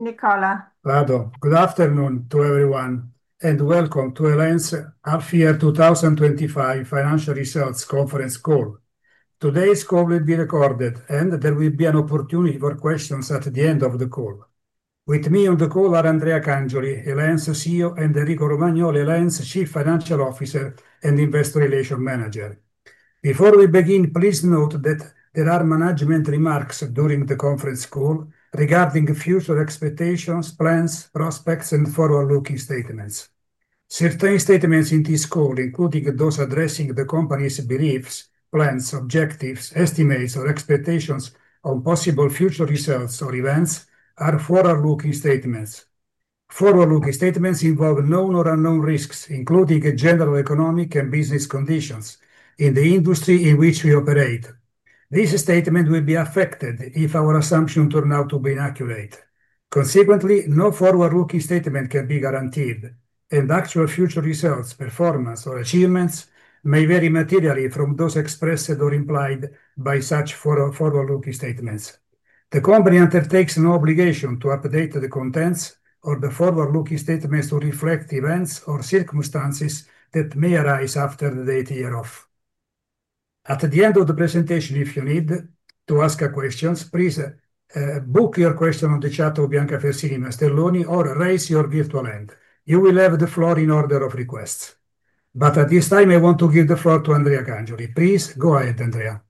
Nicola. Good afternoon to everyone, and welcome to EL.En.'s AFIE 2025 Financial Results Conference call. Today's call will be recorded, and there will be an opportunity for questions at the end of the call. With me on the call are Andrea Cangioli, EL.En.'s CEO, and Enrico Romagnoli, EL.En.'s Chief Financial Officer and Investor Relations Manager. Before we begin, please note that there are management remarks during the conference call regarding future expectations, plans, prospects, and forward-looking statements. Certain statements in this call, including those addressing the company's beliefs, plans, objectives, estimates, or expectations on possible future results or events, are forward-looking statements. Forward-looking statements involve known or unknown risks, including general economic and business conditions in the industry in which we operate. These statements will be affected if our assumptions turn out to be inaccurate. Consequently, no forward-looking statement can be guaranteed, and actual future results, performance, or achievements may vary materially from those expressed or implied by such forward-looking statements. The company undertakes no obligation to update the contents of the forward-looking statements to reflect events or circumstances that may arise after the date of year-of. At the end of the presentation, if you need to ask questions, please book your question on the chat of Bianca Fersini Mastelloni or raise your virtual hand. You will have the floor in order of requests. At this time, I want to give the floor to Andrea Cangioli. Please go ahead, Andrea.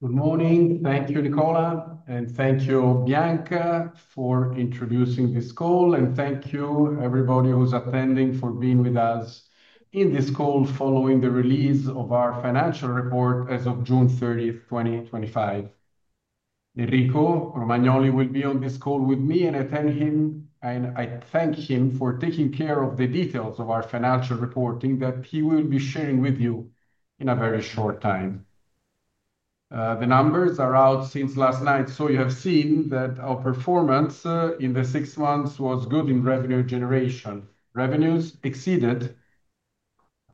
Good morning. Thank you, Nicola, and thank you, Bianca, for introducing this call. Thank you, everybody who's attending, for being with us in this call following the release of our financial report as of June 30, 2025. Enrico Romagnoli will be on this call with me, and I tell him, and I thank him for taking care of the details of our financial reporting that he will be sharing with you in a very short time. The numbers are out since last night, so you have seen that our performance in the six months was good in revenue generation. Revenues exceeded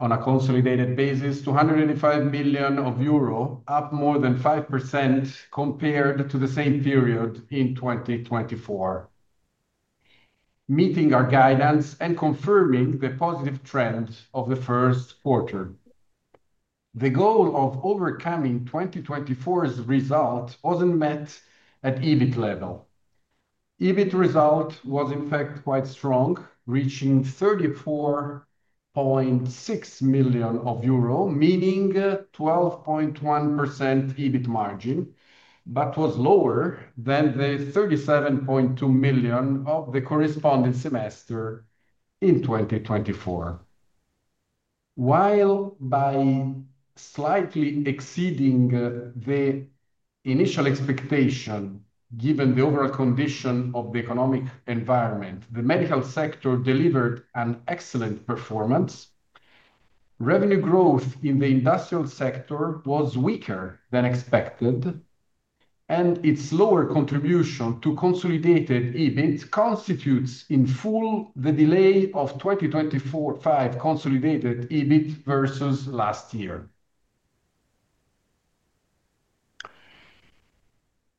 on a consolidated basis €285 million, up more than 5% compared to the same period in 2024, meeting our guidelines and confirming the positive trend of the first quarter. The goal of overcoming 2024's result wasn't met at EBIT level. EBIT result was, in fact, quite strong, reaching €34.6 million, meeting 12.1% EBIT margin, but was lower than the €37.2 million of the corresponding semester in 2024. While by slightly exceeding the initial expectation given the overall condition of the economic environment, the medical sector delivered an excellent performance. Revenue growth in the industrial sector was weaker than expected, and its lower contribution to consolidated EBIT constitutes in full the delay of 2024/05 consolidated EBIT versus last year.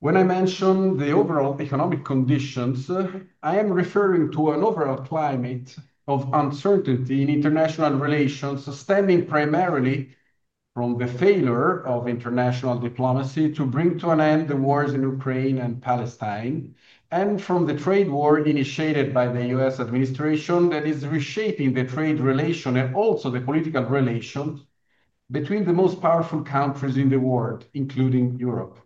When I mention the overall economic conditions, I am referring to an overall climate of uncertainty in international relations, stemming primarily from the failure of international diplomacy to bring to an end the wars in Ukraine and Palestine, and from the trade war initiated by the U.S. administration that is reshaping the trade relations and also the political relations between the most powerful countries in the world, including Europe.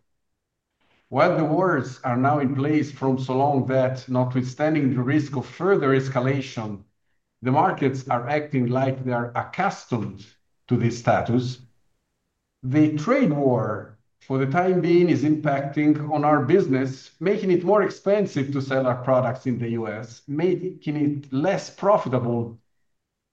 While the wars are now in place from so long that, notwithstanding the risk of further escalation, the markets are acting like they are accustomed to this status. The trade war, for the time being, is impacting on our business, making it more expensive to sell our products in the U.S., making it less profitable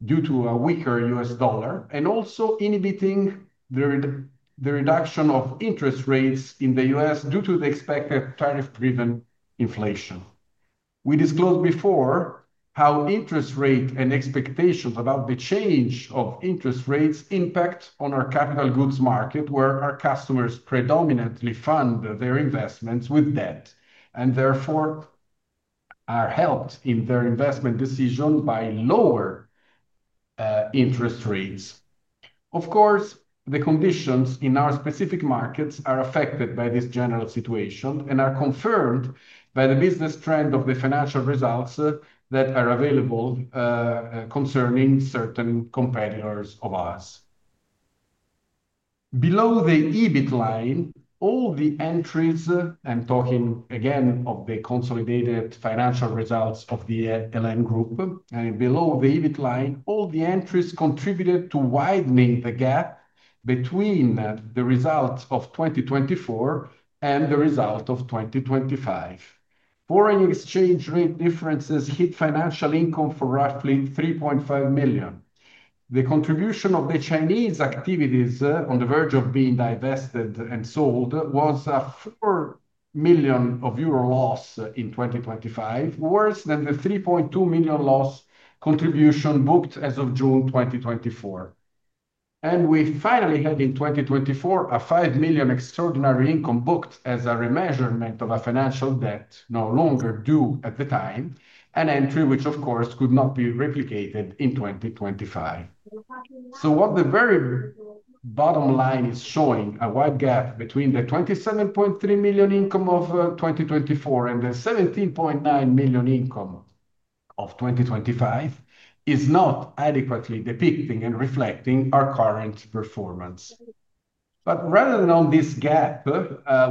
due to a weaker U.S. dollar, and also inhibiting the reduction of interest rates in the U.S. due to the expected tariff-driven inflation. We disclosed before how interest rates and expectations about the change of interest rates impact on our capital goods market, where our customers predominantly fund their investments with debt and therefore are helped in their investment decisions by lower interest rates. Of course, the conditions in our specific markets are affected by this general situation and are confirmed by the business trend of the financial results that are available concerning certain competitors of ours. Below the EBIT line, all the entries, I'm talking again of the consolidated financial results of the EL.En. group, and below the EBIT line, all the entries contributed to widening the gap between the results of 2024 and the results of 2025. Foreign exchange rate differences hit financial income for roughly €3.5 million. The contribution of the Chinese activities on the verge of being divested and sold was a €4 million loss in 2025, worse than the €3.2 million loss contribution booked as of June 2024. We finally had in 2024 a €5 million extraordinary income booked as a remeasurement of a financial debt no longer due at the time, an entry which, of course, could not be replicated in 2025. What the very bottom line is showing, a wide gap between the €27.3 million income of 2024 and the €17.9 million income of 2025, is not adequately depicting and reflecting our current performance. Rather than on this gap,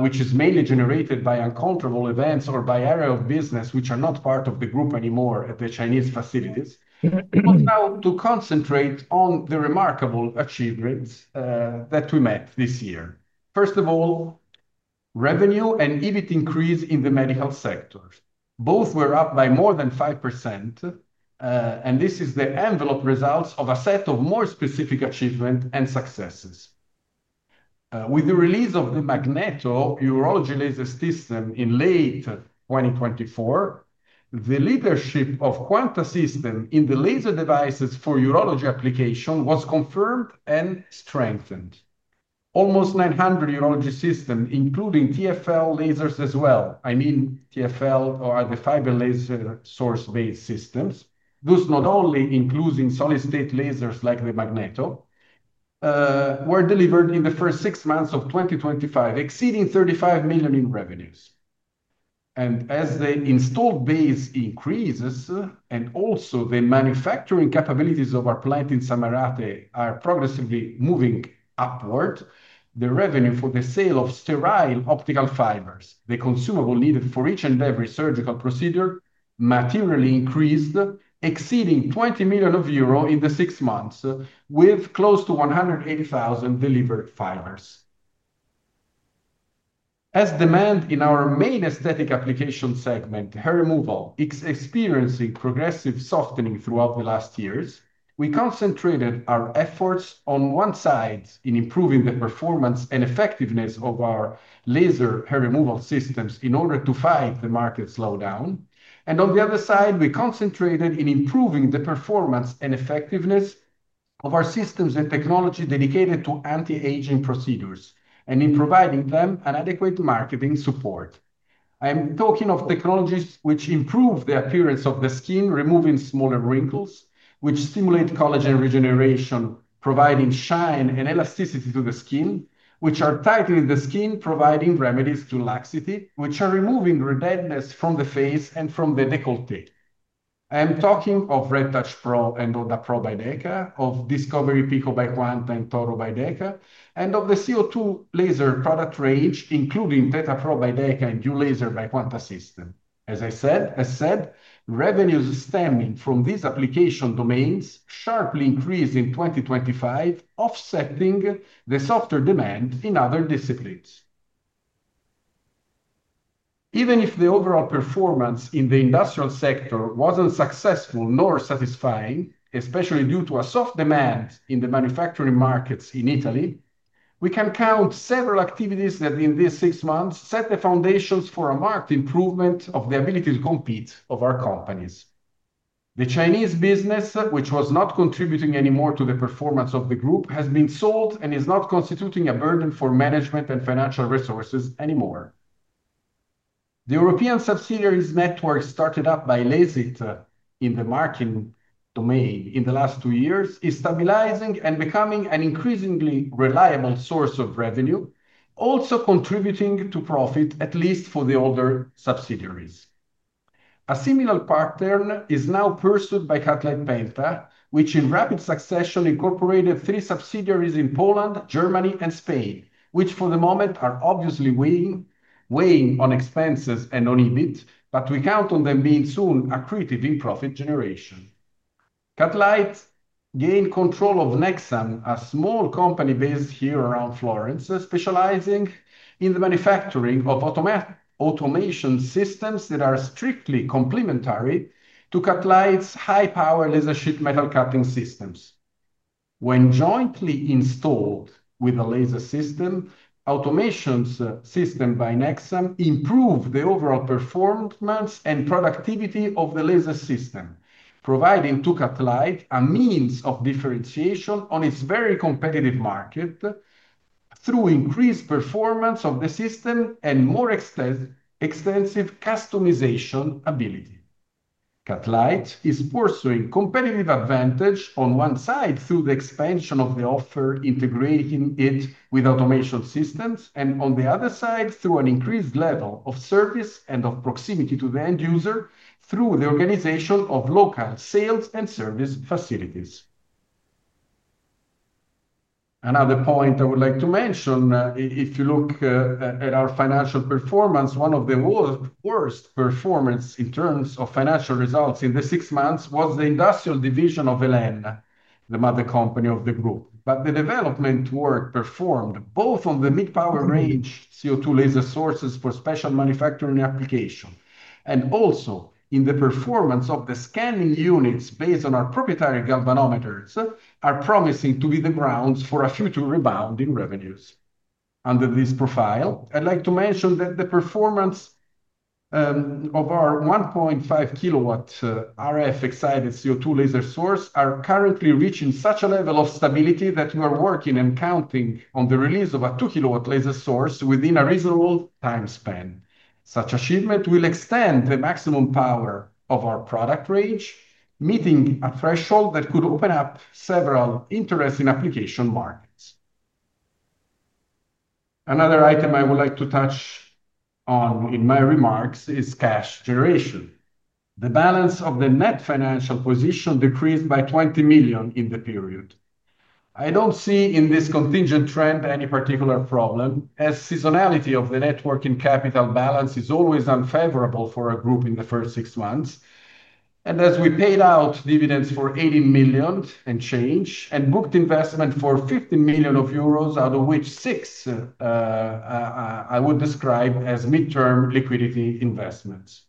which is mainly generated by uncontrollable events or by area of business which are not part of the group anymore at the Chinese facilities, we must now concentrate on the remarkable achievements that we met this year. First of all, revenue and EBIT increase in the medical sector. Both were up by more than 5%, and this is the envelope results of a set of more specific achievements and successes. With the release of the Magneto urology laser system in late 2024, the leadership of Quanta System in the laser devices for urology application was confirmed and strengthened. Almost 900 urology systems, including TFL lasers as well, I mean TFL or other fiber laser source-based systems, those not only including solid-state lasers like the Magneto, were delivered in the first six months of 2025, exceeding €35 million in revenues. As the installed base increases and also the manufacturing capabilities of our plant in Samarate are progressively moving upward, the revenue for the sale of sterile optical fibers, the consumable needed for each and every surgical procedure, materially increased, exceeding €20 million in the six months, with close to 180,000 delivered fibers. As demand in our main aesthetic application segment, hair removal, is experiencing progressive softening throughout the last years, we concentrated our efforts on one side in improving the performance and effectiveness of our laser hair removal systems in order to fight the market slowdown. On the other side, we concentrated on improving the performance and effectiveness of our systems and technology dedicated to anti-aging procedures and in providing them an adequate marketing support. I am talking of technologies which improve the appearance of the skin, removing smaller wrinkles, which stimulate collagen regeneration, providing shine and elasticity to the skin, which are tightening the skin, providing remedies to laxity, which are removing redundancy from the face and from the décolleté. I am talking of Red Touch Pro and Onda Pro by EL.En., of Discovery Pico by Quanta System and Toro by EL.En., and of the CO2 laser product range, including Theta Pro by EL.En. and Duo Laser by Quanta System. As I said, revenues stemming from these application domains sharply increased in 2025, offsetting the softer demand in other disciplines. Even if the overall performance in the industrial sector wasn't successful nor satisfying, especially due to a soft demand in the manufacturing markets in Italy, we can count several activities that in these six months set the foundations for a marked improvement of the ability to compete of our companies. The Chinese business, which was not contributing anymore to the performance of the group, has been sold and is not constituting a burden for management and financial resources anymore. The European subsidiaries network started up by LASIK in the marketing domain in the last two years is stabilizing and becoming an increasingly reliable source of revenue, also contributing to profit, at least for the older subsidiaries. A similar pattern is now pursued by Kataj Penta, which in rapid succession incorporated three subsidiaries in Poland, Germany, and Spain, which for the moment are obviously weighing on expenses and on EBIT, but we count on them being soon accreted in profit generation. Kataj gained control of Nexam, a small company based here around Florence, specializing in the manufacturing of automation systems that are strictly complementary to Kataj's high-power laser-shaped metal cutting systems. When jointly installed with a laser system, automation systems by Nexam improved the overall performance and productivity of the laser system, providing to Kataj a means of differentiation on its very competitive market through increased performance of the system and more extensive customization ability. Kataj is pursuing a competitive advantage on one side through the expansion of the offer integrating it with automation systems, and on the other side through an increased level of service and of proximity to the end user through the organization of local sales and service facilities. Another point I would like to mention, if you look at our financial performance, one of the worst performances in terms of financial results in the six months was the industrial division of EL.En., the mother company of the group. The development work performed both on the mid-power range CO2 laser sources for special manufacturing applications and also in the performance of the scanning units based on our proprietary galvanometers are promising to be the grounds for a future rebound in revenues. Under this profile, I'd like to mention that the performance of our 1.5 kilowatt RF excited CO2 laser source is currently reaching such a level of stability that we are working and counting on the release of a 2 kilowatt laser source within a reasonable time span. Such achievement will extend the maximum power of our product range, meeting a threshold that could open up several interesting application markets. Another item I would like to touch on in my remarks is cash generation. The balance of the net financial position decreased by €20 million in the period. I don't see in this contingent trend any particular problem, as seasonality of the networking capital balance is always unfavorable for a group in the first six months. As we paid out dividends for €18 million and change, and booked investments for €15 million, out of which €6 million I would describe as mid-term liquidity investments.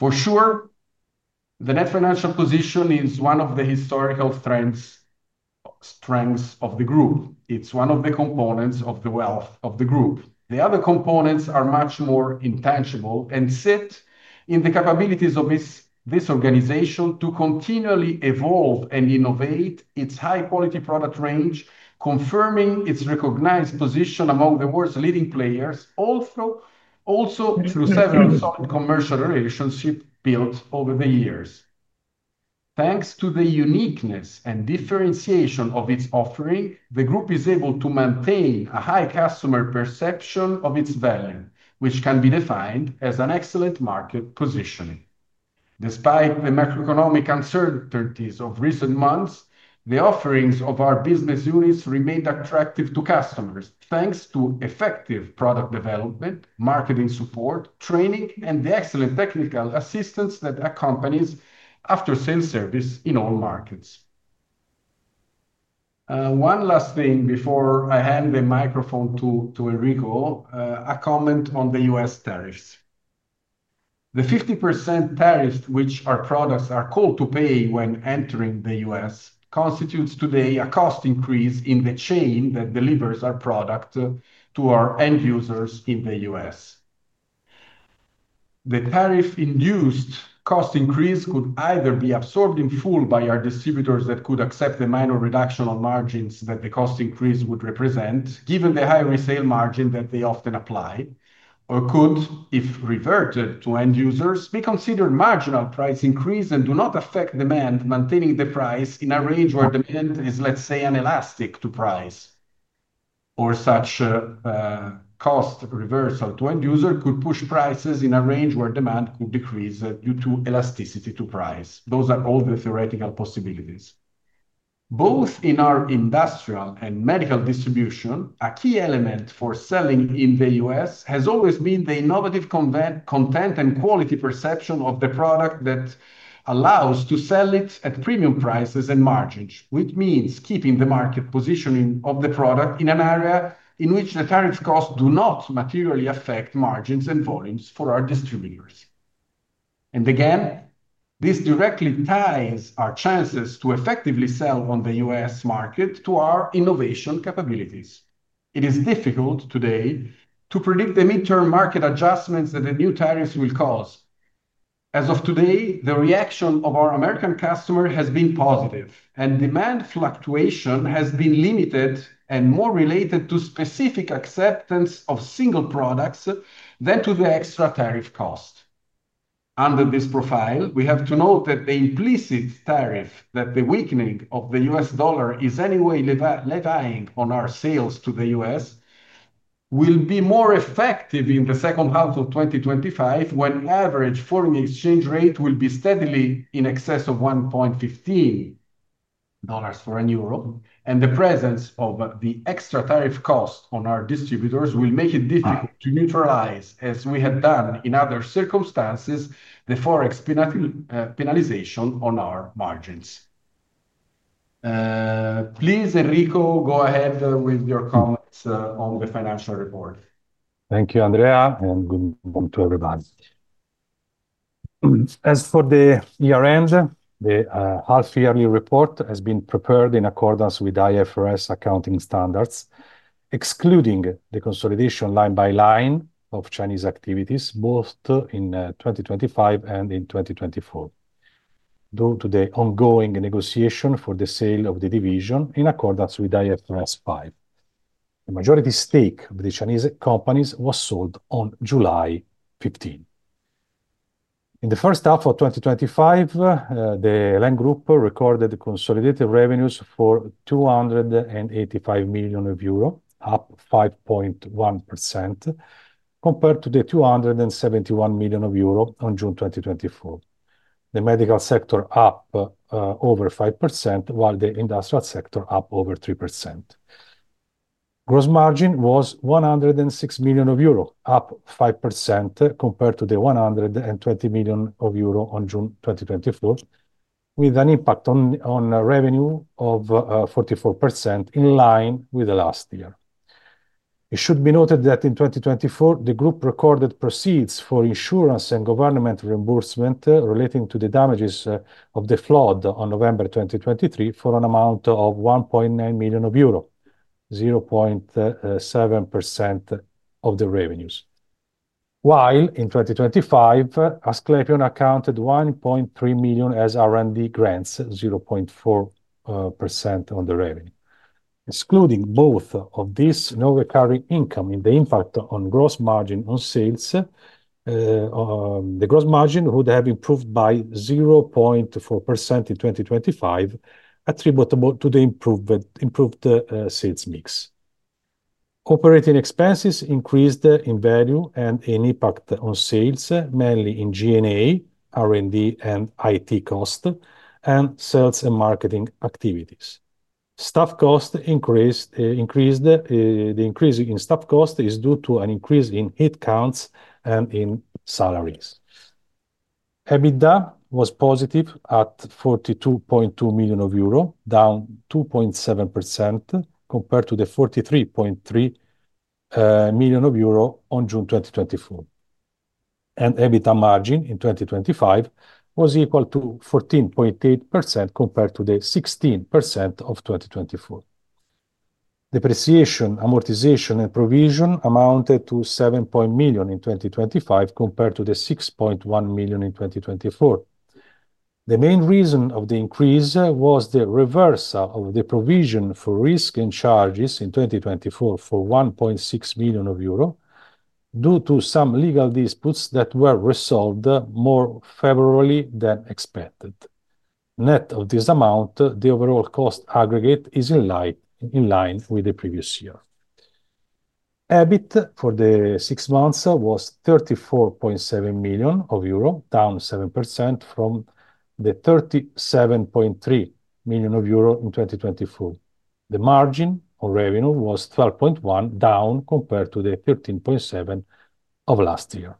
For sure, the net financial position is one of the historical strengths of the group. It's one of the components of the wealth of the group. The other components are much more intangible and sit in the capabilities of this organization to continually evolve and innovate its high-quality product range, confirming its recognized position among the world's leading players, also through several solid commercial relationships built over the years. Thanks to the uniqueness and differentiation of its offering, the group is able to maintain a high customer perception of its value, which can be defined as an excellent market positioning. Despite the macroeconomic uncertainties of recent months, the offerings of our business units remain attractive to customers thanks to effective product 0development, marketing support, training, and the excellent technical assistance that accompanies after-sales service in all markets. One last thing before I hand the microphone to Enrico, a comment on the U.S. tariffs. The 50% tariff which our products are called to pay when entering the U.S. constitutes today a cost increase in the chain that delivers our product to our end users in the U.S. The tariff-induced cost increase could either be absorbed in full by our distributors that could accept the minor reduction on margins that the cost increase would represent, given the high resale margin that they often apply, or could, if reverted to end users, be considered marginal price increases and do not affect demand, maintaining the price in a range where demand is, let's say, unelastic to price. Such cost reversal to end users could push prices in a range where demand could decrease due to elasticity to price. Those are all the theoretical possibilities. Both in our industrial and medical distribution, a key element for selling in the U.S. has always been the innovative content and quality perception of the product that allows us to sell it at premium prices and margins, which means keeping the market positioning of the product in an area in which the tariff costs do not materially affect margins and volumes for our distributors. This directly ties our chances to effectively sell on the U.S. market to our innovation capabilities. It is difficult today to predict the mid-term market adjustments that the new tariffs will cause. As of today, the reaction of our American customers has been positive, and demand fluctuation has been limited and more related to specific acceptance of single products than to the extra tariff cost. Under this profile, we have to note that the implicit tariff that the weakening of the U.S. dollar is anyway levying on our sales to the U.S. will be more effective in the second half of 2025 when the average foreign exchange rate will be steadily in excess of $1.15 for an euro, and the presence of the extra tariff cost on our distributors will make it difficult to neutralize, as we have done in other circumstances, the forex penalization on our margins. Please, Enrico, go ahead with your comments on the financial report. Thank you, Andrea, and good morning to everybody. As for the year-end, the half-yearly report has been prepared in accordance with IFRS accounting standards, excluding the consolidation line by line of Chinese activities, both in 2025 and in 2024, due to the ongoing negotiation for the sale of the division in accordance with IFRS 5. The majority stake of the Chinese companies was sold on July 15. In the first half of 2025, the EL.En. group recorded consolidated revenues for €285 million, up 5.1% compared to the €271 million on June 2024. The medical sector up over 5%, while the industrial sector up over 3%. Gross margin was €106 million, up 5% compared to the €120 million on June 2024, with an impact on revenue of 44% in line with last year. It should be noted that in 2024, the group recorded proceeds for insurance and government reimbursement relating to the damages of the flood on November 2023 for an amount of €1.9 million, 0.7% of the revenues, while in 2025, Asklepion accounted €1.3 million as R&D grants, 0.4% on the revenue. Excluding both of these, no recurring income in the impact on gross margin on sales. The gross margin would have improved by 0.4% in 2025, attributable to the improved sales mix. Operating expenses increased in value and in impact on sales, mainly in G&A, R&D, and IT costs, and sales and marketing activities. Staff costs increased. The increase in staff costs is due to an increase in headcounts and in salaries. EBITDA was positive at €42.2 million, down 2.7% compared to the €43.3 million on June 2024. EBITDA margin in 2025 was equal to 14.8% compared to the 16% of 2024. Depreciation, amortization and provision amounted to €7.0 million in 2025 compared to the €6.1 million in 2024. The main reason of the increase was the reversal of the provision for risk and charges in 2024 for €1.6 million, due to some legal disputes that were resolved more favorably than expected. Net of this amount, the overall cost aggregate is in line with the previous year. EBIT for the six months was €34.7 million, down 7% from the €37.3 million in 2024. The margin on revenue was 12.1%, down compared to the 13.7% of last year.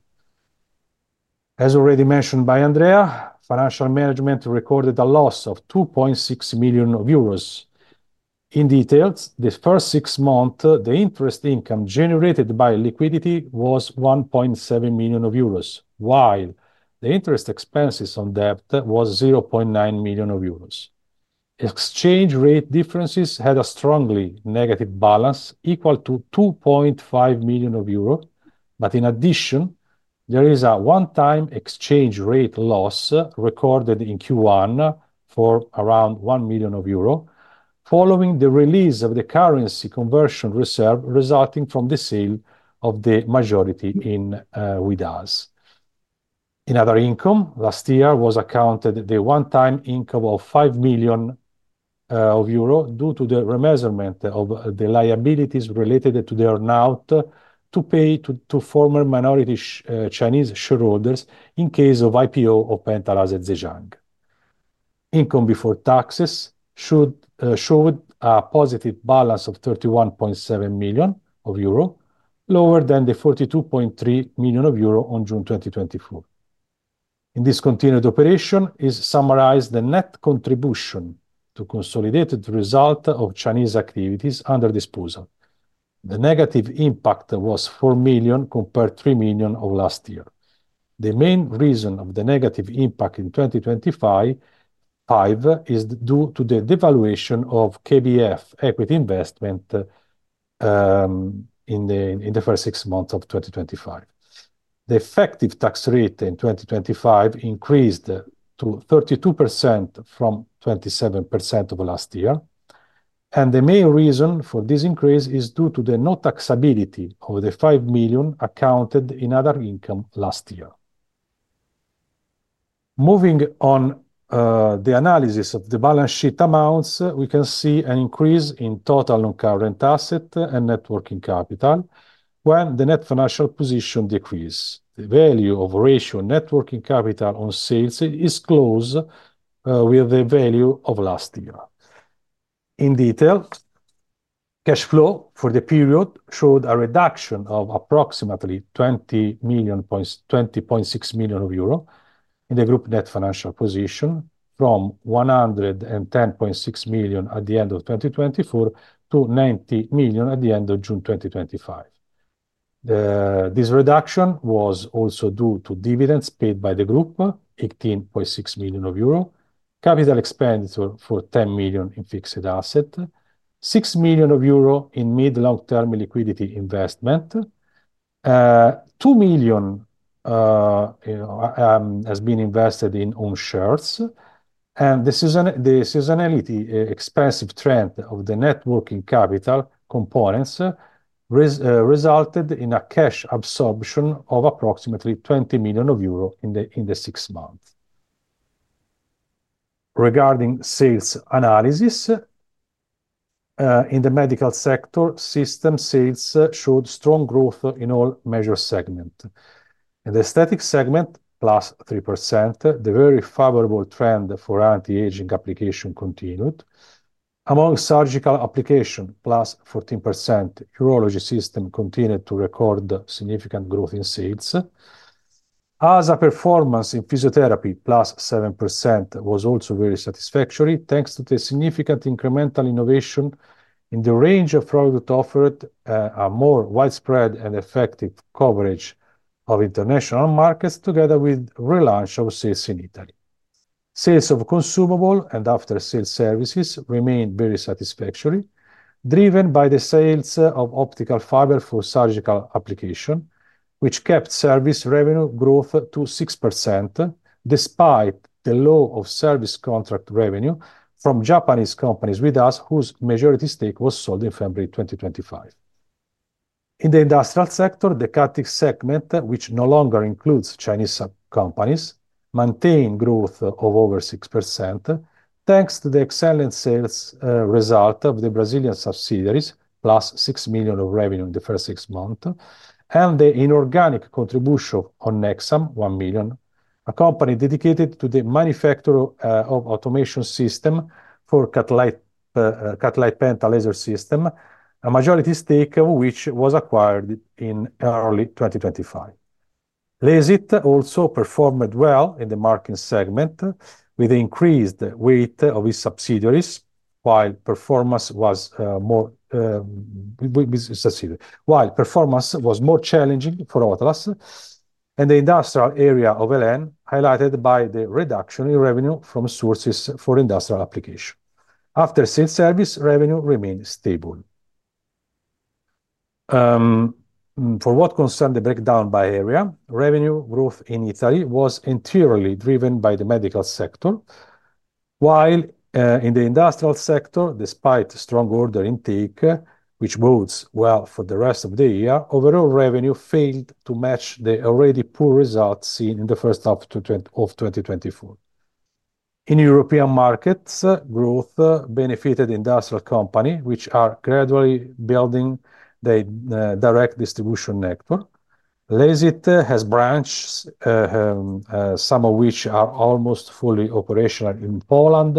As already mentioned by Andrea, financial management recorded a loss of €2.6 million. In detail, the first six months, the interest income generated by liquidity was €1.7 million, while the interest expenses on debt were €0.9 million. Exchange rate differences had a strongly negative balance equal to €2.5 million, but in addition, there is a one-time exchange rate loss recorded in Q1 for around €1 million following the release of the currency conversion reserve resulting from the sale of the majority in WIDAS. In other income, last year was accounted the one-time income of €5 million due to the remeasurement of the liabilities related to the earnout to pay to former minority Chinese shareholders in case of IPO of Pentalas at Zhejiang. Income before taxes showed a positive balance of €31.7 million, lower than the €42.3 million on June 2024. In this continued operation, is summarized the net contribution to consolidated result of Chinese activities under this proposal. The negative impact was €4 million compared to €3 million of last year. The main reason of the negative impact in 2025 is due to the devaluation of KBF equity investment in the first six months of 2025. The effective tax rate in 2025 increased to 32% from 27% of last year, and the main reason for this increase is due to the no taxability of the €5 million accounted in other income last year. Moving on the analysis of the balance sheet amounts, we can see an increase in total non-current assets and networking capital when the net financial position decreased. The value of ratio networking capital on sales is close with the value of last year. In detail, cash flow for the period showed a reduction of approximately €20.6 million in the group net financial position from €110.6 million at the end of 2024 to €90 million at the end of June 2025. This reduction was also due to dividends paid by the group, €18.6 million, capital expenditure for €10 million in fixed assets, €6 million in mid-long-term liquidity investments, €2 million has been invested in ownership shares, and the seasonality expensive trend of the networking capital components resulted in a cash absorption of approximately €20 million in the six months. Regarding sales analysis, in the medical sector, system sales showed strong growth in all major segments. In the aesthetic segment, plus 3%, the very favorable trend for anti-aging applications continued. Among surgical applications, plus 14%, urology systems continued to record significant growth in sales. Other performance in physiotherapy, plus 7%, was also very satisfactory, thanks to the significant incremental innovation in the range of products offered, a more widespread and effective coverage of international markets, together with the relaunch of sales in Italy. Sales of consumables and after-sales services remained very satisfactory, driven by the sales of optical fibers for surgical applications, which kept service revenue growth to 6%, despite the low of service contract revenue from Japanese companies with us, whose majority stake was sold in February 2025. In the industrial sector, the cutting segment, which no longer includes Chinese companies, maintained growth of over 6%, thanks to the excellent sales result of the Brazilian subsidiaries, plus $6 million of revenue in the first six months, and the inorganic contribution on Nexam, $1 million, a company dedicated to the manufacturing of automation systems for Kataj Penta laser systems, a majority stake which was acquired in early 2025. LASIK also performed well in the marketing segment with the increased weight of its subsidiaries, while performance was more challenging for Othalas, and the industrial area of EL.En. highlighted by the reduction in revenue from sources for industrial applications. After-sales service revenue remained stable. For what concerns the breakdown by area, revenue growth in Italy was anteriorly driven by the medical sector, while in the industrial sector, despite strong order intake, which bodes well for the rest of the year, overall revenue failed to match the already poor results seen in the first half of 2024. In European markets, growth benefited industrial companies, which are gradually building their direct distribution network. LASIK has branches, some of which are almost fully operational in Poland,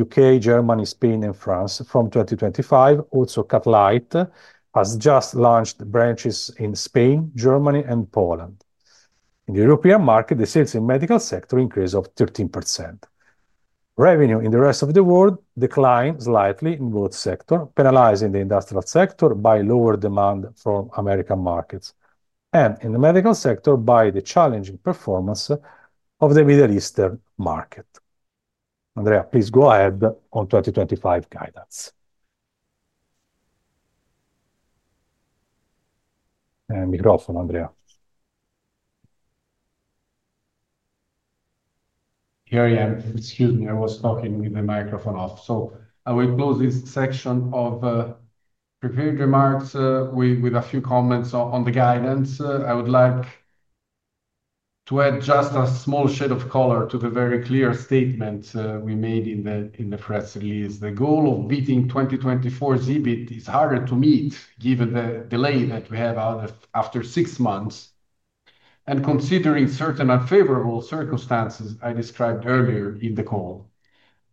UK, Germany, Spain, and France. From 2025, also Kataj has just launched branches in Spain, Germany, and Poland. In the European market, the sales in the medical sector increased of 13%. Revenue in the rest of the world declined slightly in both sectors, penalizing the industrial sector by lower demand from American markets, and in the medical sector by the challenging performance of the Middle Eastern market. Andrea, please go ahead on 2025 guidelines. Microphone, Andrea. Here I am. Excuse me, I was talking with the microphone off. I will close this section of prepared remarks with a few comments on the guidance. I would like to add just a small shade of color to the very clear statement we made in the press release. The goal of beating 2024's EBIT is harder to meet given the delay that we have after six months and considering certain unfavorable circumstances I described earlier in the call.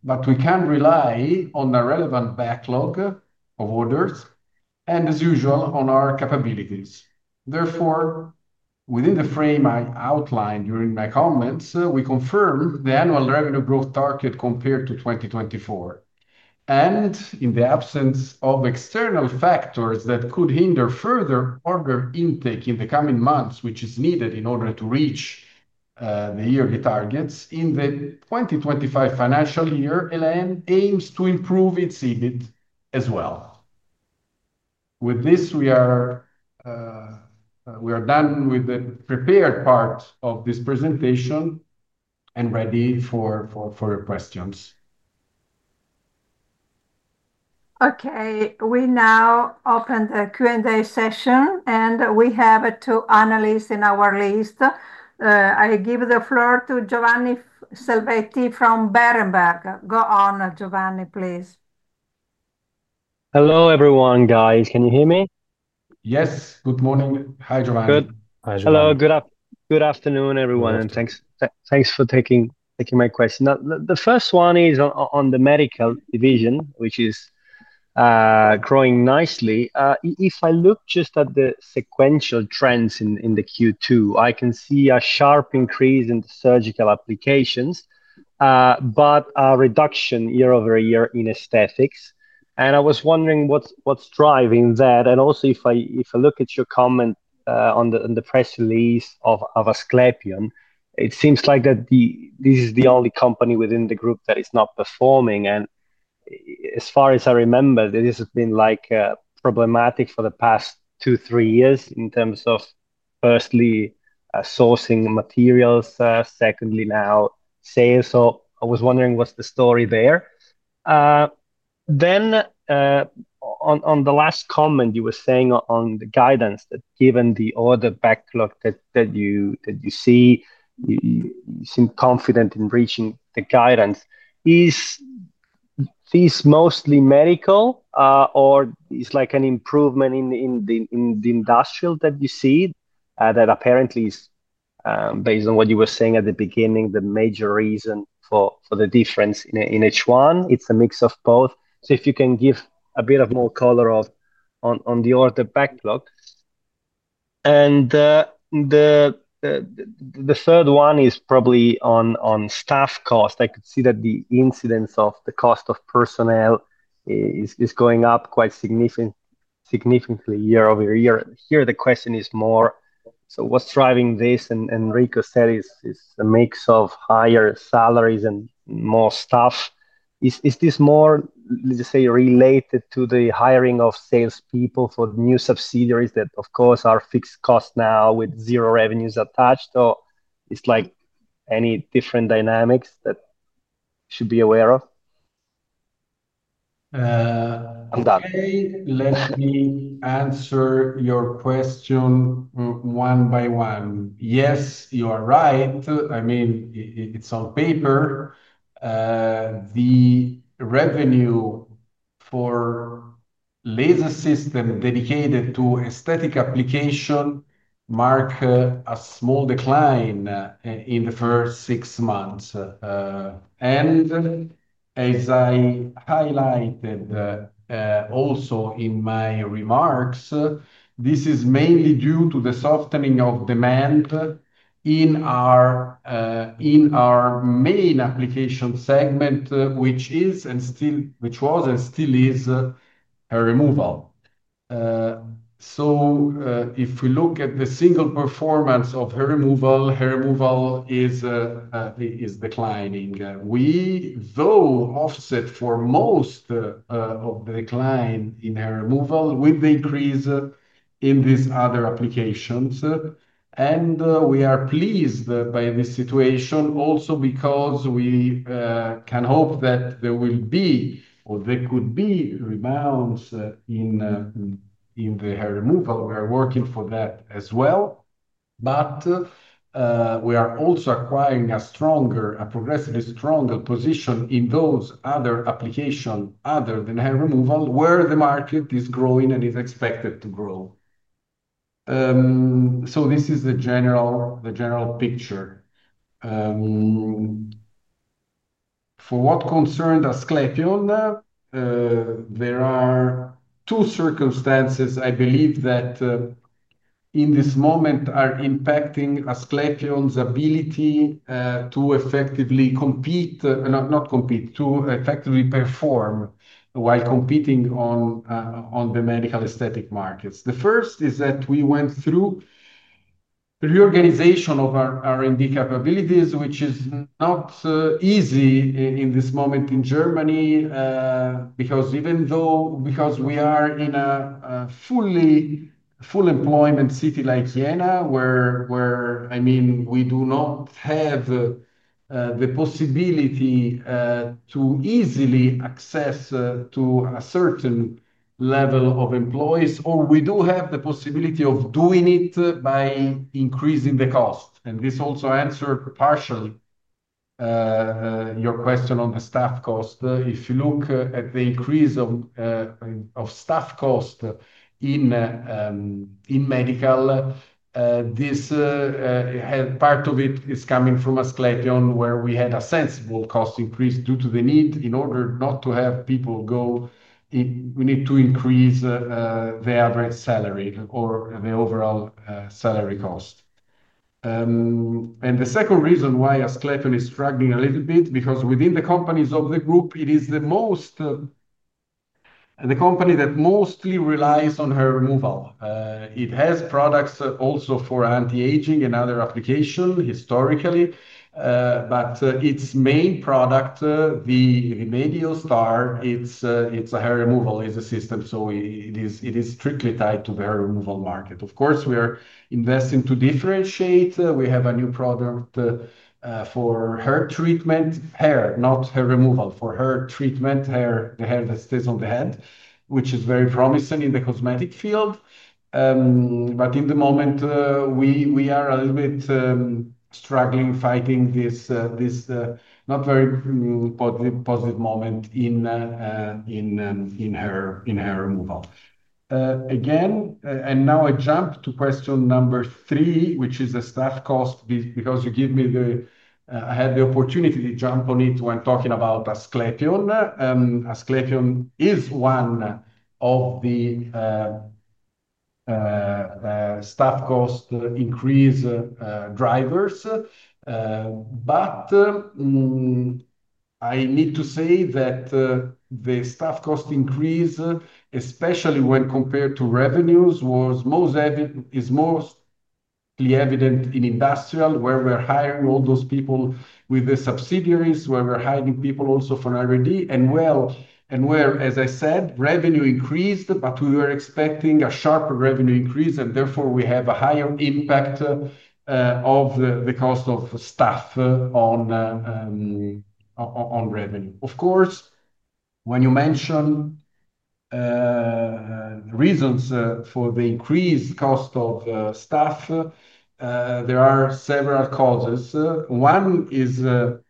We can rely on a relevant backlog of orders and, as usual, on our capabilities. Therefore, within the frame I outlined during my comments, we confirmed the annual revenue growth target compared to 2024. In the absence of external factors that could hinder further order intake in the coming months, which is needed in order to reach the yearly targets, in the 2025 financial year, EL.En. aims to improve its EBIT as well. With this, we are done with the prepared part of this presentation and ready for your questions. Okay, we now open the Q&A session, and we have two analysts in our list. I give the floor to Giovanni Selvetti from Berenberg. Go on, Giovanni, please. Hello everyone. Can you hear me? Yes, good morning. Hi, Giovanni. Good. Hi, Giovanni. Hello, good afternoon everyone, and thanks for taking my question. The first one is on the medical division, which is growing nicely. If I look just at the sequential trends in Q2, I can see a sharp increase in surgical applications, but a reduction year over year in aesthetics. I was wondering what's driving that. Also, if I look at your comment on the press release of Asklepion, it seems like this is the only company within the group that is not performing. As far as I remember, this has been problematic for the past two or three years in terms of, firstly, sourcing materials, and secondly, now sales. I was wondering what's the story there. On the last comment you were saying on the guidance, that given the order backlog that you see, you seem confident in reaching the guidance. Is this mostly medical, or is it an improvement in the industrial that you see that apparently is, based on what you were saying at the beginning, the major reason for the difference in each one? It's a mix of both. If you can give a bit more color on the order backlog. The third one is probably on staff cost. I could see that the incidence of the cost of personnel is going up quite significantly year over year. Here the question is more, what's driving this? Enrico said it's a mix of higher salaries and more staff. Is this more related to the hiring of salespeople for the new subsidiaries that, of course, are fixed costs now with zero revenues attached? Or is it any different dynamics that we should be aware of? Okay, let me answer your question one by one. Yes, you are right. I mean, it's on paper. The revenue for laser systems dedicated to aesthetic applications marked a small decline in the first six months. As I highlighted also in my remarks, this is mainly due to the softening of demand in our main application segment, which is and still, which was and still is hair removal. If we look at the single performance of hair removal, hair removal is declining. We offset most of the decline in hair removal with the increase in these other applications. We are pleased by this situation also because we can hope that there will be or there could be rebounds in the hair removal. We are working for that as well. We are also acquiring a progressively stronger position in those other applications other than hair removal where the market is growing and is expected to grow. This is the general picture. For what concerns Asklepion, there are two circumstances I believe that in this moment are impacting Asklepion's ability to effectively perform while competing on the medical aesthetic markets. The first is that we went through a reorganization of our R&D capabilities, which is not easy in this moment in Germany because even though we are in a fully full-employment city like Vienna, where we do not have the possibility to easily access to a certain level of employees, or we do have the possibility of doing it by increasing the cost. This also answers partially your question on the staff cost. If you look at the increase of staff cost in medical, part of it is coming from Asklepion, where we had a sensible cost increase due to the need in order not to have people go. We need to increase the average salary or the overall salary cost. The second reason why Asklepion is struggling a little bit is because within the companies of the group, it is the company that mostly relies on hair removal. It has products also for anti-aging and other applications historically, but its main product, the Remedial Star, it's a hair removal laser system. It is strictly tied to the hair removal market. Of course, we are investing to differentiate. We have a new product for hair treatment, hair, not hair removal, for hair treatment, hair, the hair that stays on the hand, which is very promising in the cosmetic field. At the moment, we are a little bit struggling, fighting this not very positive moment in hair removal. Again, now I jump to question number three, which is the staff cost, because you give me the opportunity to jump on it when talking about Asklepion. Asklepion is one of the staff cost increase drivers. I need to say that the staff cost increase, especially when compared to revenues, is mostly evident in industrial, where we're hiring all those people with the subsidiaries, where we're hiring people also for R&D. Where, as I said, revenue increased, but we were expecting a sharper revenue increase, and therefore we have a higher impact of the cost of staff on revenue. Of course, when you mention the reasons for the increased cost of staff, there are several causes. One is the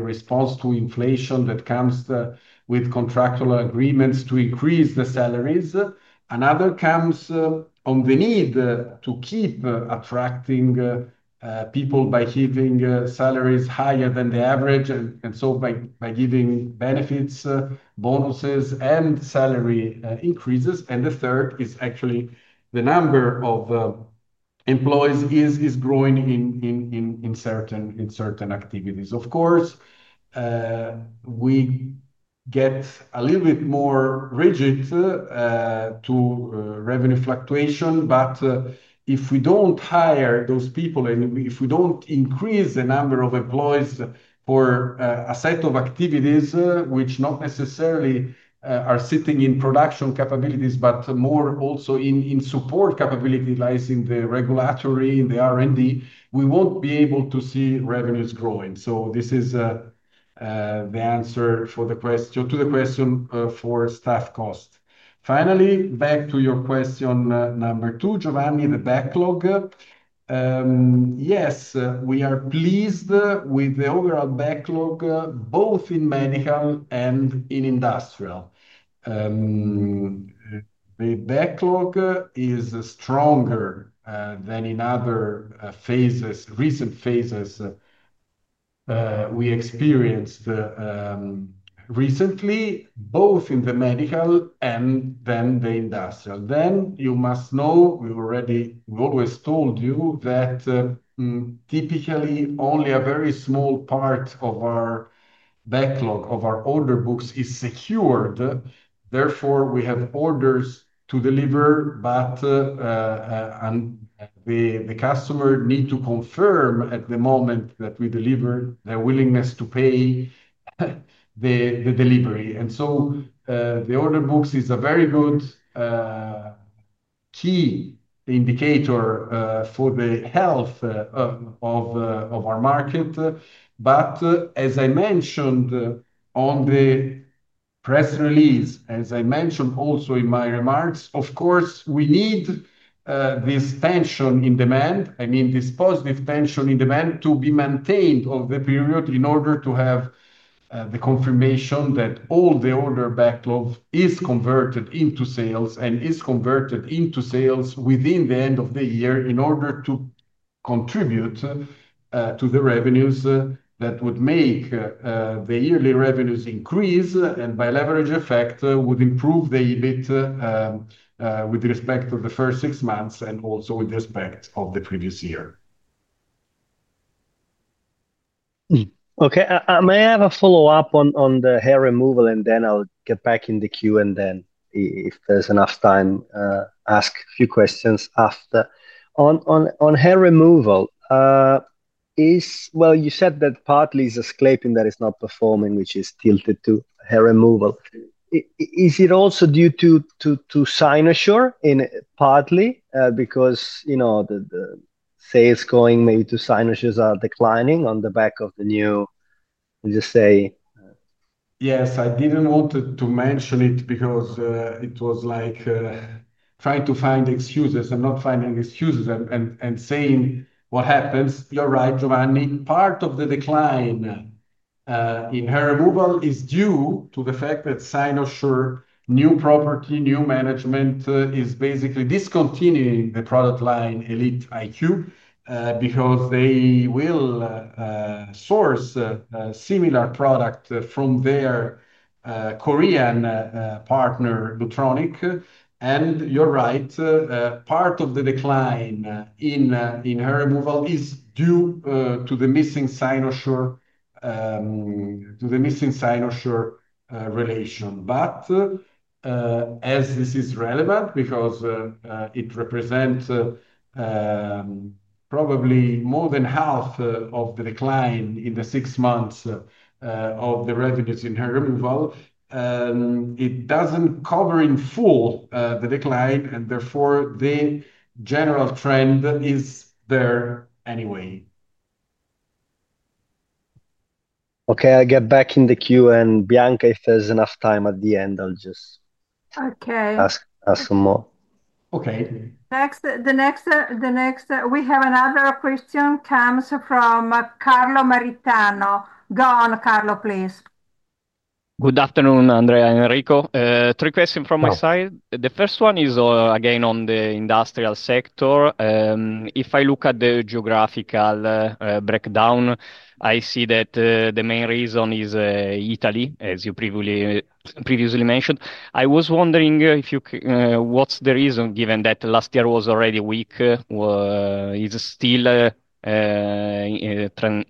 response to inflation that comes with contractual agreements to increase the salaries. Another comes from the need to keep attracting people by giving salaries higher than the average, and by giving benefits, bonuses, and salary increases. The third is actually the number of employees is growing in certain activities. Of course, we get a little bit more rigid to revenue fluctuation, but if we don't hire those people and if we don't increase the number of employees for a set of activities which not necessarily are sitting in production capabilities, but more also in support capabilities, like in the regulatory, in the R&D, we won't be able to see revenues growing. This is the answer to the question for staff cost. Finally, back to your question number two, Giovanni, the backlog. Yes, we are pleased with the overall backlog both in medical and in industrial. The backlog is stronger than in other recent phases we experienced recently, both in the medical and in the industrial. You must know, we already always told you that typically only a very small part of our backlog of our order books is secured. Therefore, we have orders to deliver, but the customer needs to confirm at the moment that we deliver their willingness to pay the delivery. The order books is a very good key indicator for the health of our market. As I mentioned on the press release, as I mentioned also in my remarks, of course, we need this tension in demand, I mean this positive tension in demand to be maintained over the period in order to have the confirmation that all the order backlog is converted into sales and is converted into sales within the end of the year in order to contribute to the revenues that would make the yearly revenues increase and by leverage effect would improve the EBIT with respect to the first six months and also with respect to the previous year. Okay, may I have a follow-up on the hair removal, and then I'll get back in the queue, and then if there's enough time, ask a few questions after. On hair removal, you said that partly it's Asklepion that is not performing, which is tilted to hair removal. Is it also due to Signature in partly because, you know, the sales going maybe to Signature are declining on the back of the new, let's just say? Yes, I didn't want to mention it because it was like trying to find excuses. I'm not finding excuses and saying what happens. You're right, Giovanni. Part of the decline in hair removal is due to the fact that Signature, new property, new management, is basically discontinuing the product line Elite IQ because they will source a similar product from their Korean partner, Lutronic. You're right, part of the decline in hair removal is due to the missing Signature relation. As this is relevant because it represents probably more than half of the decline in the six months of the revenues in hair removal, it doesn't cover in full the decline, and therefore the general trend is there anyway. Okay, I'll get back in the queue, and Bianca, if there's enough time at the end, I'll just ask some more. Next, we have another question that comes from Carlo Maritano. Go on, Carlo, please. Good afternoon, Andrea and Enrico. Three questions from my side. The first one is again on the industrial sector. If I look at the geographical breakdown, I see that the main reason is Italy, as you previously mentioned. I was wondering if you can, what's the reason given that last year was already weak? Is it still an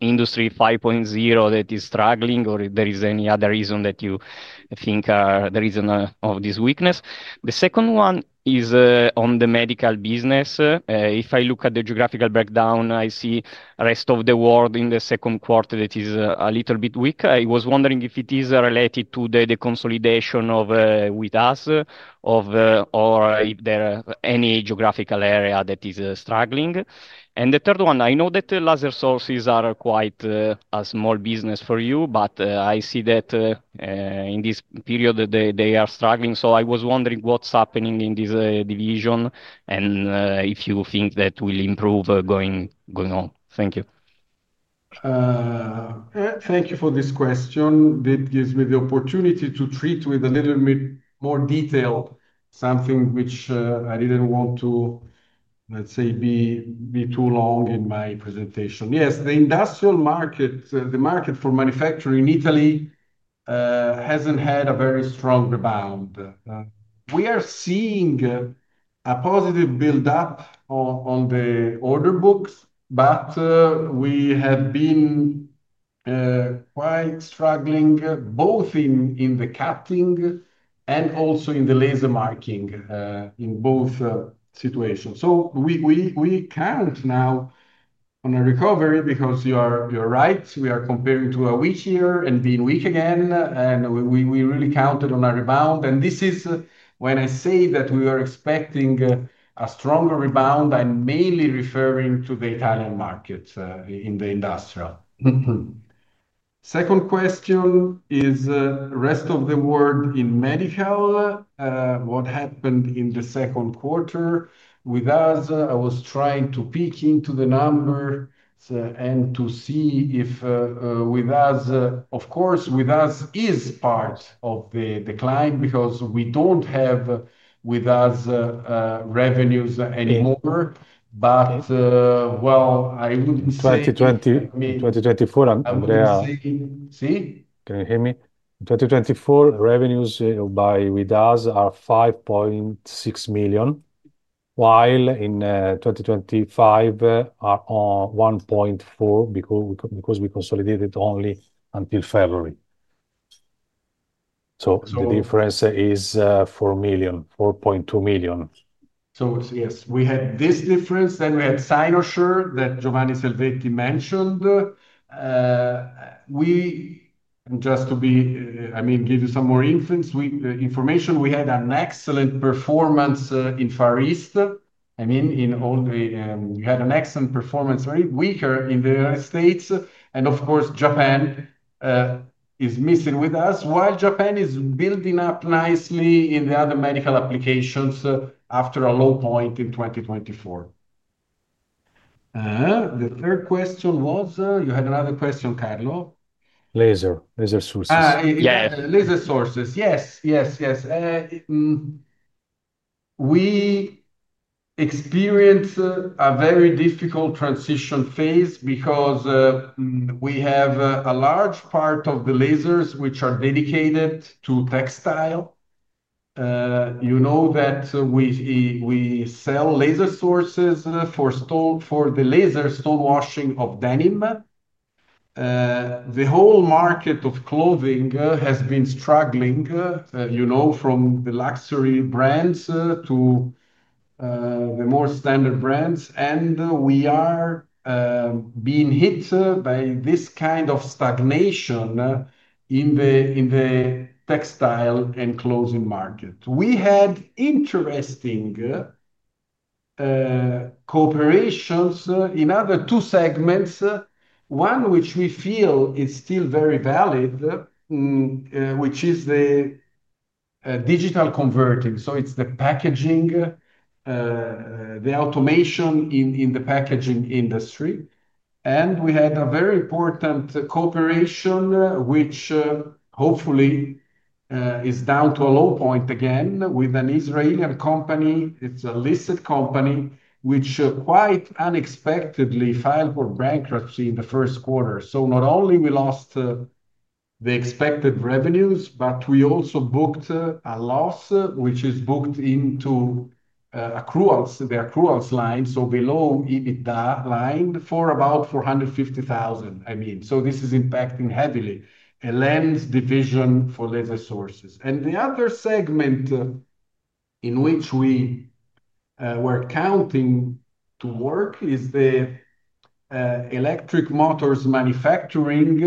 industry 5.0 that is struggling, or is there any other reason that you think the reason of this weakness? The second one is on the medical business. If I look at the geographical breakdown, I see the rest of the world in the second quarter that is a little bit weak. I was wondering if it is related to the consolidation of WIDAS, or if there are any geographical areas that are struggling. The third one, I know that Laser Sources is quite a small business for you, but I see that in this period they are struggling. I was wondering what's happening in this division and if you think that will improve going on. Thank you. Thank you for this question. It gives me the opportunity to treat with a little bit more detail something which I didn't want to, let's say, be too long in my presentation. Yes, the industrial market, the market for manufacturing in Italy hasn't had a very strong rebound. We are seeing a positive build-up on the order books, but we had been quite struggling both in the cutting and also in the laser marking in both situations. We count now on a recovery because you're right, we are comparing to a weak year and being weak again, and we really counted on a rebound. This is when I say that we are expecting a stronger rebound. I'm mainly referring to the Italian market in the industrial. Second question is the rest of the world in medical. What happened in the second quarter? I was trying to peek into the numbers and to see if with us, of course, with us is part of the decline because we don't have with us revenues anymore. I wouldn't say. 2020, 2024, and Andrea Cangioli. See? Can you hear me? In 2024, revenues by WIDAS are $5.6 million, while in 2025 are $1.4 million because we consolidated only until February. The difference is $4 million, $4.2 million. Yes, we had this difference, then we had Signature that Giovanni Salveti mentioned. To give you some more information, we had an excellent performance in Far East. I mean, we had an excellent performance, very weaker in the United States. Of course, Japan is missing with us, while Japan is building up nicely in the other medical applications after a low point in 2024. The third question was, you had another question, Carlo. Laser, laser sources. Yes, laser sources. Yes, yes, yes. We experienced a very difficult transition phase because we have a large part of the lasers which are dedicated to textile. You know that we sell laser sources for the laser stonewashing of denim. The whole market of clothing has been struggling, from the luxury brands to the more standard brands. We are being hit by this kind of stagnation in the textile and clothing market. We had interesting cooperations in other two segments, one which we feel is still very valuable, which is the digital converting. It is the packaging, the automation in the packaging industry. We had a very important cooperation, which hopefully is down to a low point again with an Israeli company. It is a listed company which quite unexpectedly filed for bankruptcy in the first quarter. Not only did we lose the expected revenues, but we also booked a loss, which is booked into the accruals line, so the loan EBITDA line for about €450,000. This is impacting heavily EL.En.'s division for laser sources. The other segment in which we were counting to work is the electric motors manufacturing.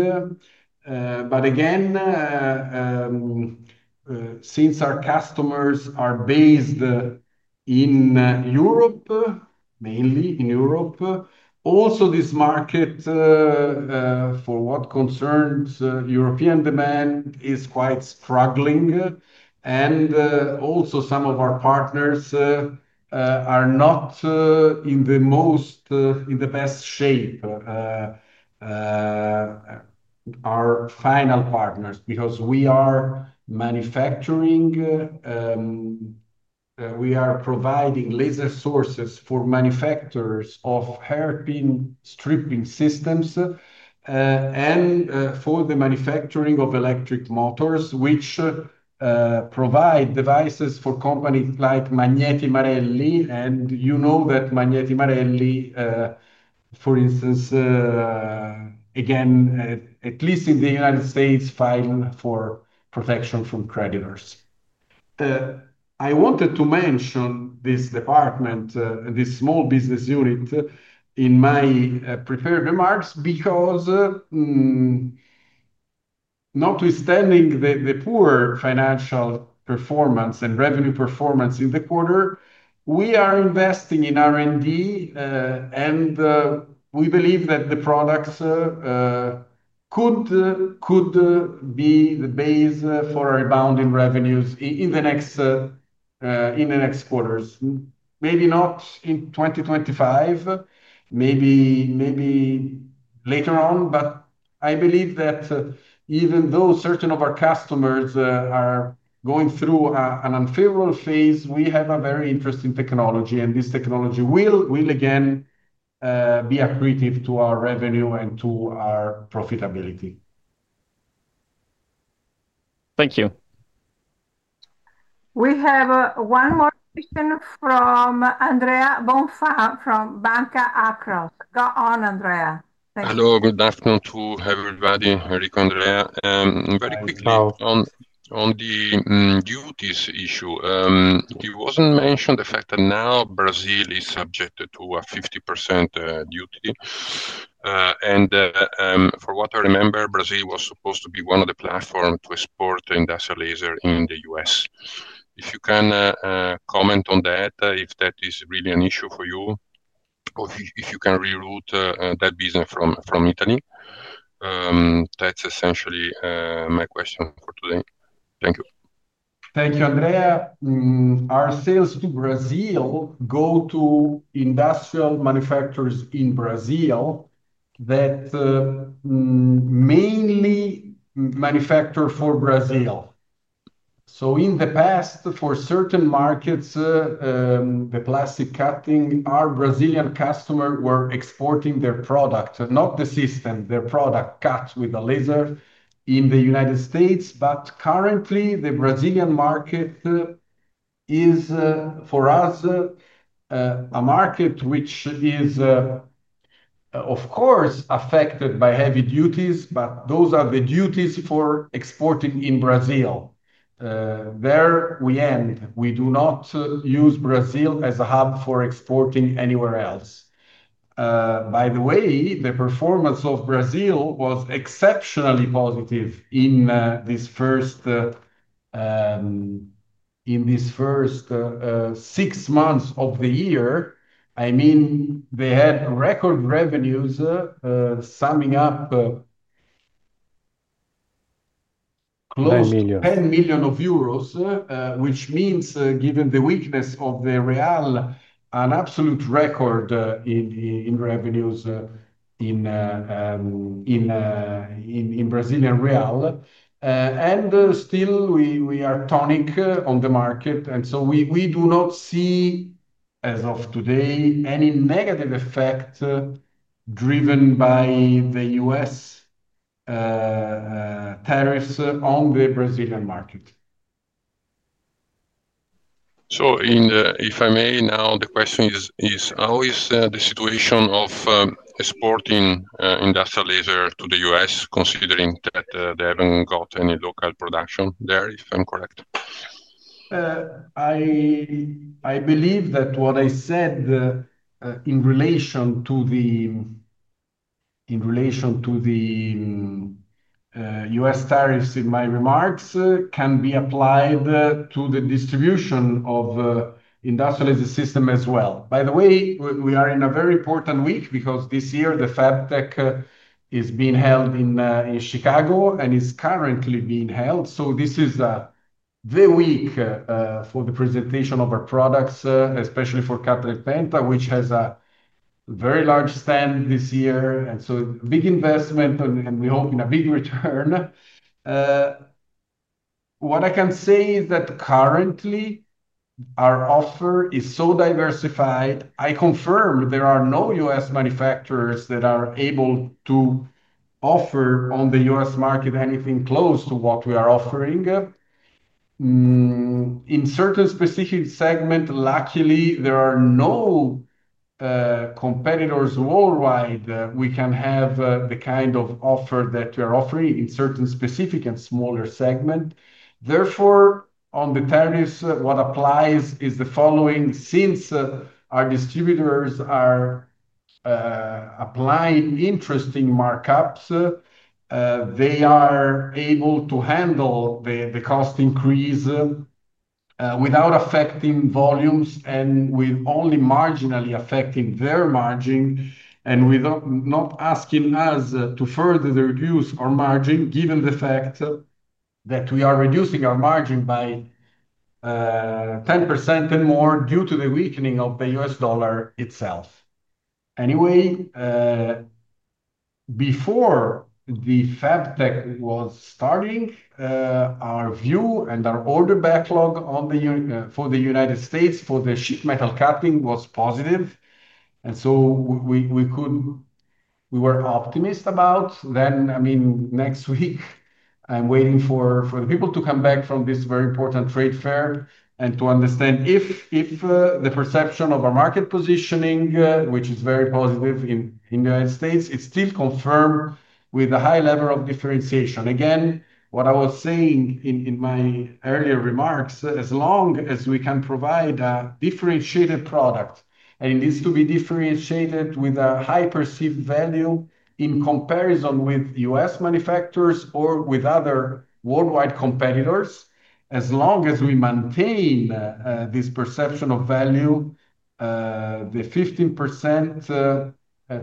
Since our customers are based in Europe, mainly in Europe, this market for what concerns European demand is quite struggling. Also, some of our partners are not in the best shape, our final partners, because we are manufacturing, we are providing laser sources for manufacturers of hairpin stripping systems and for the manufacturing of electric motors, which provide devices for companies like Magneti Marelli. You know that Magneti Marelli, for instance, at least in the United States, filed for protection from creditors. I wanted to mention this department, this small business unit in my prepared remarks because, notwithstanding the poor financial performance and revenue performance in the quarter, we are investing in R&D and we believe that the products could be the base for a rebound in revenues in the next quarters. Maybe not in 2025, maybe later on, but I believe that even though certain of our customers are going through an unfavorable phase, we have a very interesting technology and this technology will again be accretive to our revenue and to our profitability. Thank you. We have one more question from Andrea Bonfà from Banca Akros. Go on, Andrea. Hello, good afternoon to everybody, Enrico, Andrea. Very quickly on the duties issue. It wasn't mentioned the fact that now Brazil is subjected to a 50% duty. For what I remember, Brazil was supposed to be one of the platforms to export industrial laser in the U.S. If you can comment on that, if that is really an issue for you, or if you can reroute that business from Italy, that's essentially my question for today. Thank you. Thank you, Andrea. Our sales to Brazil go to industrial manufacturers in Brazil that mainly manufacture for Brazil. In the past, for certain markets, the plastic cutting, our Brazilian customers were exporting their products, not the system, their product cuts with the laser in the United States. Currently, the Brazilian market is for us a market which is, of course, affected by heavy duties, but those are the duties for exporting in Brazil. We do not use Brazil as a hub for exporting anywhere else. By the way, the performance of Brazil was exceptionally positive in these first six months of the year. I mean, they had record revenues summing up close to €10 million, which means, given the weakness of the real, an absolute record in revenues in Brazilian real. Still, we are tonic on the market, and we do not see, as of today, any negative effect driven by the U.S. tariffs on the Brazilian market. If I may, now the question is, how is the situation of exporting industrial laser to the U.S., considering that they haven't got any local production there, if I'm correct? I believe that what I said in relation to the U.S. tariffs in my remarks can be applied to the distribution of industrial laser systems as well. By the way, we are in a very important week because this year the FabTech is being held in Chicago and is currently being held. This is the week for the presentation of our products, especially for Kataj Penta, which has a very large stand this year. A big investment and we hope in a big return. What I can say is that currently our offer is so diversified, I confirm there are no U.S. manufacturers that are able to offer on the U.S. market anything close to what we are offering. In certain specific segments, luckily, there are no competitors worldwide that can have the kind of offer that we are offering in certain specific and smaller segments. Therefore, on the tariffs, what applies is the following. Since our distributors are applying interesting markups, they are able to handle the cost increase without affecting volumes and with only marginally affecting their margin, and without asking us to further reduce our margin, given the fact that we are reducing our margin by 10% and more due to the weakening of the U.S. dollar itself. Anyway, before the FabTech was starting, our view and our order backlog for the United States for the sheet metal cutting was positive. We were optimistic about then. Next week, I'm waiting for the people to come back from this very important trade fair and to understand if the perception of our market positioning, which is very positive in the United States, is still confirmed with a high level of differentiation. Again, what I was saying in my earlier remarks, as long as we can provide a differentiated product, and it needs to be differentiated with a high perceived value in comparison with U.S. manufacturers or with other worldwide competitors, as long as we maintain this perception of value, the 15%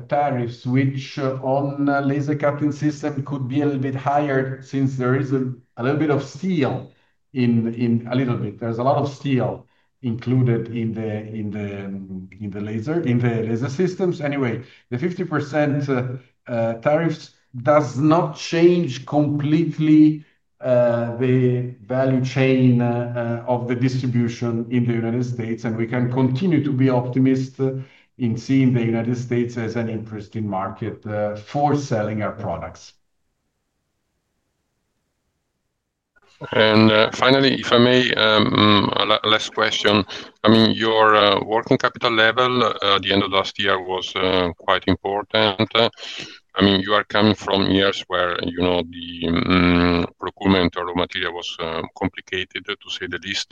tariffs, which on laser cutting systems could be a little bit higher since there is a little bit of steel in a little bit. There's a lot of steel included in the laser systems. The 15% tariffs do not change completely the value chain of the distribution in the United States. We can continue to be optimistic in seeing the United States as an interesting market for selling our products. Finally, if I may, last question. Your working capital level at the end of last year was quite important. You are coming from years where the procurement of material was complicated, to say the least.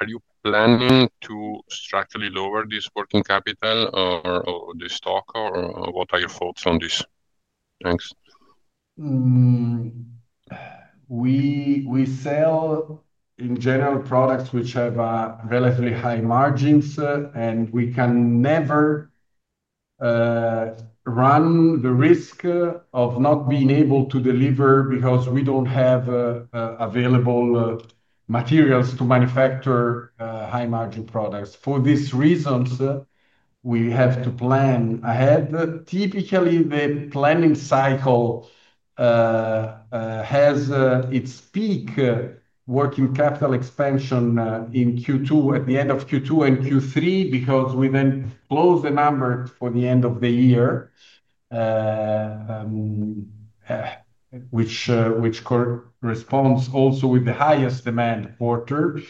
Are you planning to structurally lower this working capital or the stock, or what are your thoughts on this? Thanks. We sell, in general, products which have relatively high margins, and we can never run the risk of not being able to deliver because we don't have available materials to manufacture high-margin products. For these reasons, we have to plan ahead. Typically, the planning cycle has its peak working capital expansion in Q2, at the end of Q2 and Q3, because we then close the numbers for the end of the year, which corresponds also with the highest demand quarter.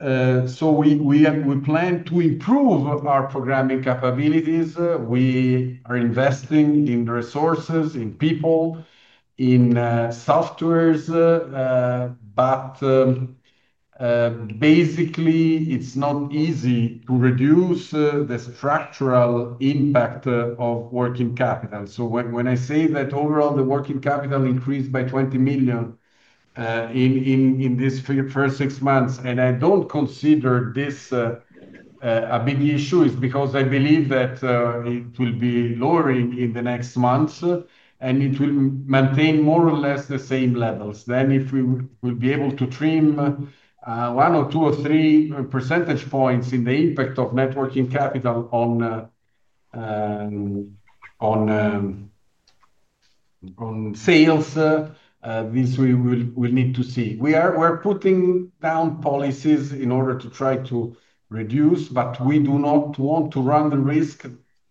We plan to improve our programming capabilities. We are investing in resources, in people, in software, but basically, it's not easy to reduce the structural impact of working capital. When I say that overall the working capital increased by €20 million in these first six months, and I don't consider this a big issue, it's because I believe that it will be lowering in the next months, and it will maintain more or less the same levels. If we will be able to trim 1% or 2% or 3% in the impact of net working capital on sales, this we will need to see. We are putting down policies in order to try to reduce, but we do not want to run the risk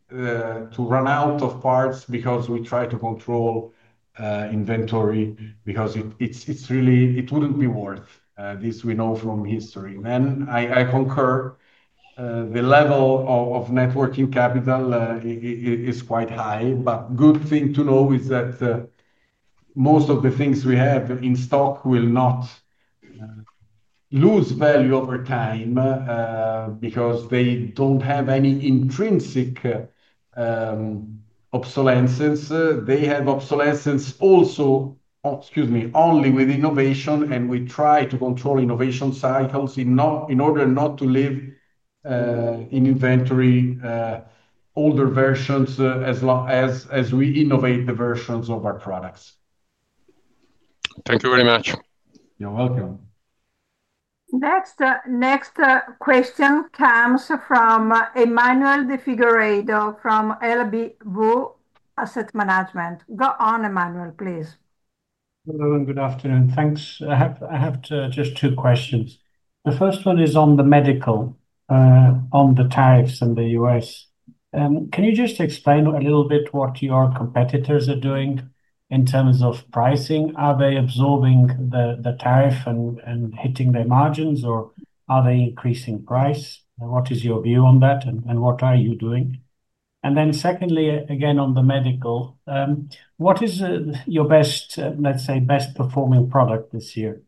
to run out of parts because we try to control inventory, because it wouldn't be worth it. This we know from history. I concur, the level of net working capital is quite high, but a good thing to know is that most of the things we have in stock will not lose value over time because they don't have any intrinsic obsolescence. They have obsolescence only with innovation, and we try to control innovation cycles in order not to live in inventory older versions as long as we innovate the versions of our products. Thank you very much. You're welcome. Next question comes from Emmanuel De Figueiredo from LBW Asset Management. Go on, Emmanuel, please. Hello, and good afternoon. Thanks. I have just two questions. The first one is on the medical, on the tariffs in the U.S. Can you just explain a little bit what your competitors are doing in terms of pricing? Are they absorbing the tariff and hitting their margins, or are they increasing price? What is your view on that, and what are you doing? Secondly, again on the medical, what is your best, let's say, best-performing product this year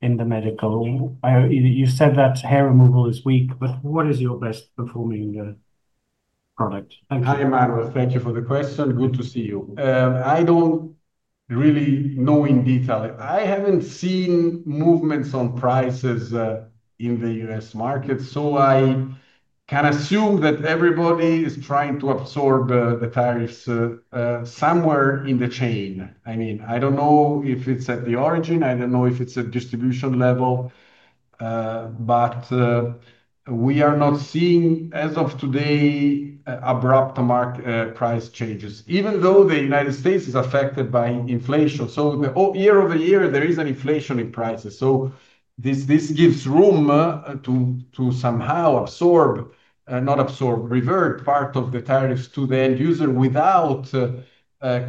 in the medical? You said that hair removal is weak, but what is your best-performing product? Thank you, Emmanuel. Thank you for the question. Good to see you. I don't really know in detail. I haven't seen movements on prices in the U.S. market, so I can assume that everybody is trying to absorb the tariffs somewhere in the chain. I mean, I don't know if it's at the origin. I don't know if it's at distribution level, but we are not seeing, as of today, abrupt market price changes, even though the United States is affected by inflation. Year over year, there is an inflation in prices. This gives room to somehow absorb, not absorb, revert part of the tariffs to the end user without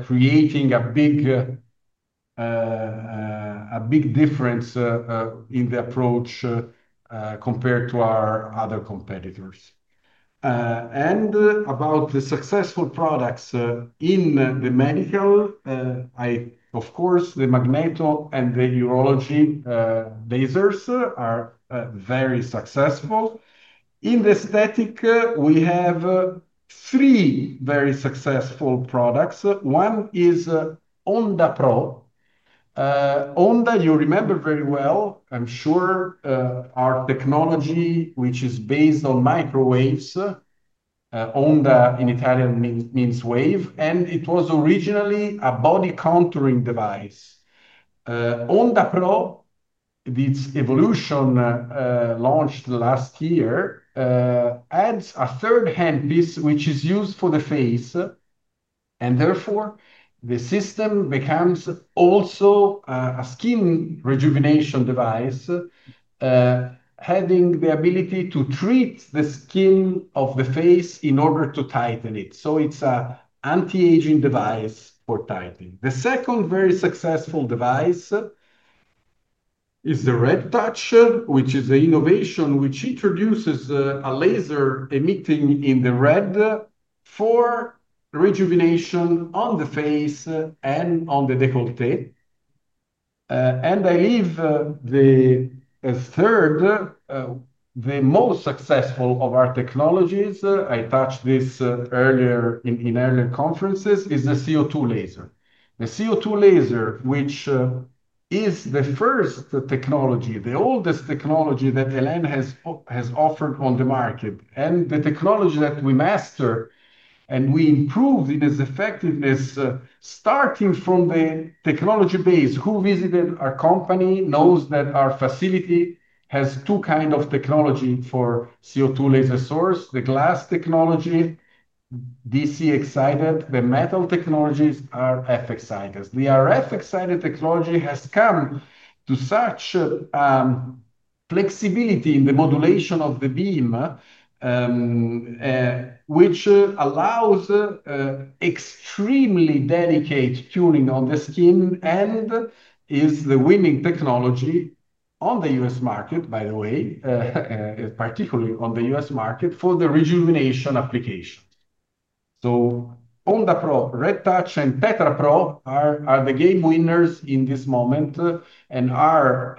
creating a big difference in the approach compared to our other competitors. About the successful products in the medical, of course, the Magneto and the urology lasers are very successful. In the aesthetic, we have three very successful products. One is Onda Pro. Onda, you remember very well, I'm sure, our technology, which is based on microwaves. Onda in Italian means wave, and it was originally a body contouring device. Onda Pro, its evolution launched last year, adds a third hand piece which is used for the face, and therefore, the system becomes also a skin rejuvenation device, having the ability to treat the skin of the face in order to tighten it. It's an anti-aging device for tightening. The second very successful device is the Red Touch, which is an innovation which introduces a laser emitting in the red for rejuvenation on the face and on the décolleté. I leave the third, the most successful of our technologies, I touched this earlier in earlier conferences, is the CO2 laser. The CO2 laser, which is the first technology, the oldest technology that EL.En. has offered on the market, and the technology that we master and we improved in its effectiveness, starting from the technology base. Who visited our company knows that our facility has two kinds of technology for CO2 laser source: the glass technology, DC excited, the metal technologies are RF excited. The RF excited technology has come to such flexibility in the modulation of the beam, which allows extremely delicate tuning on the skin and is the winning technology on the U.S. market, by the way, particularly on the U.S. market for the rejuvenation application. Onda Pro, Red Touch, and Theta Pro are the game winners in this moment and are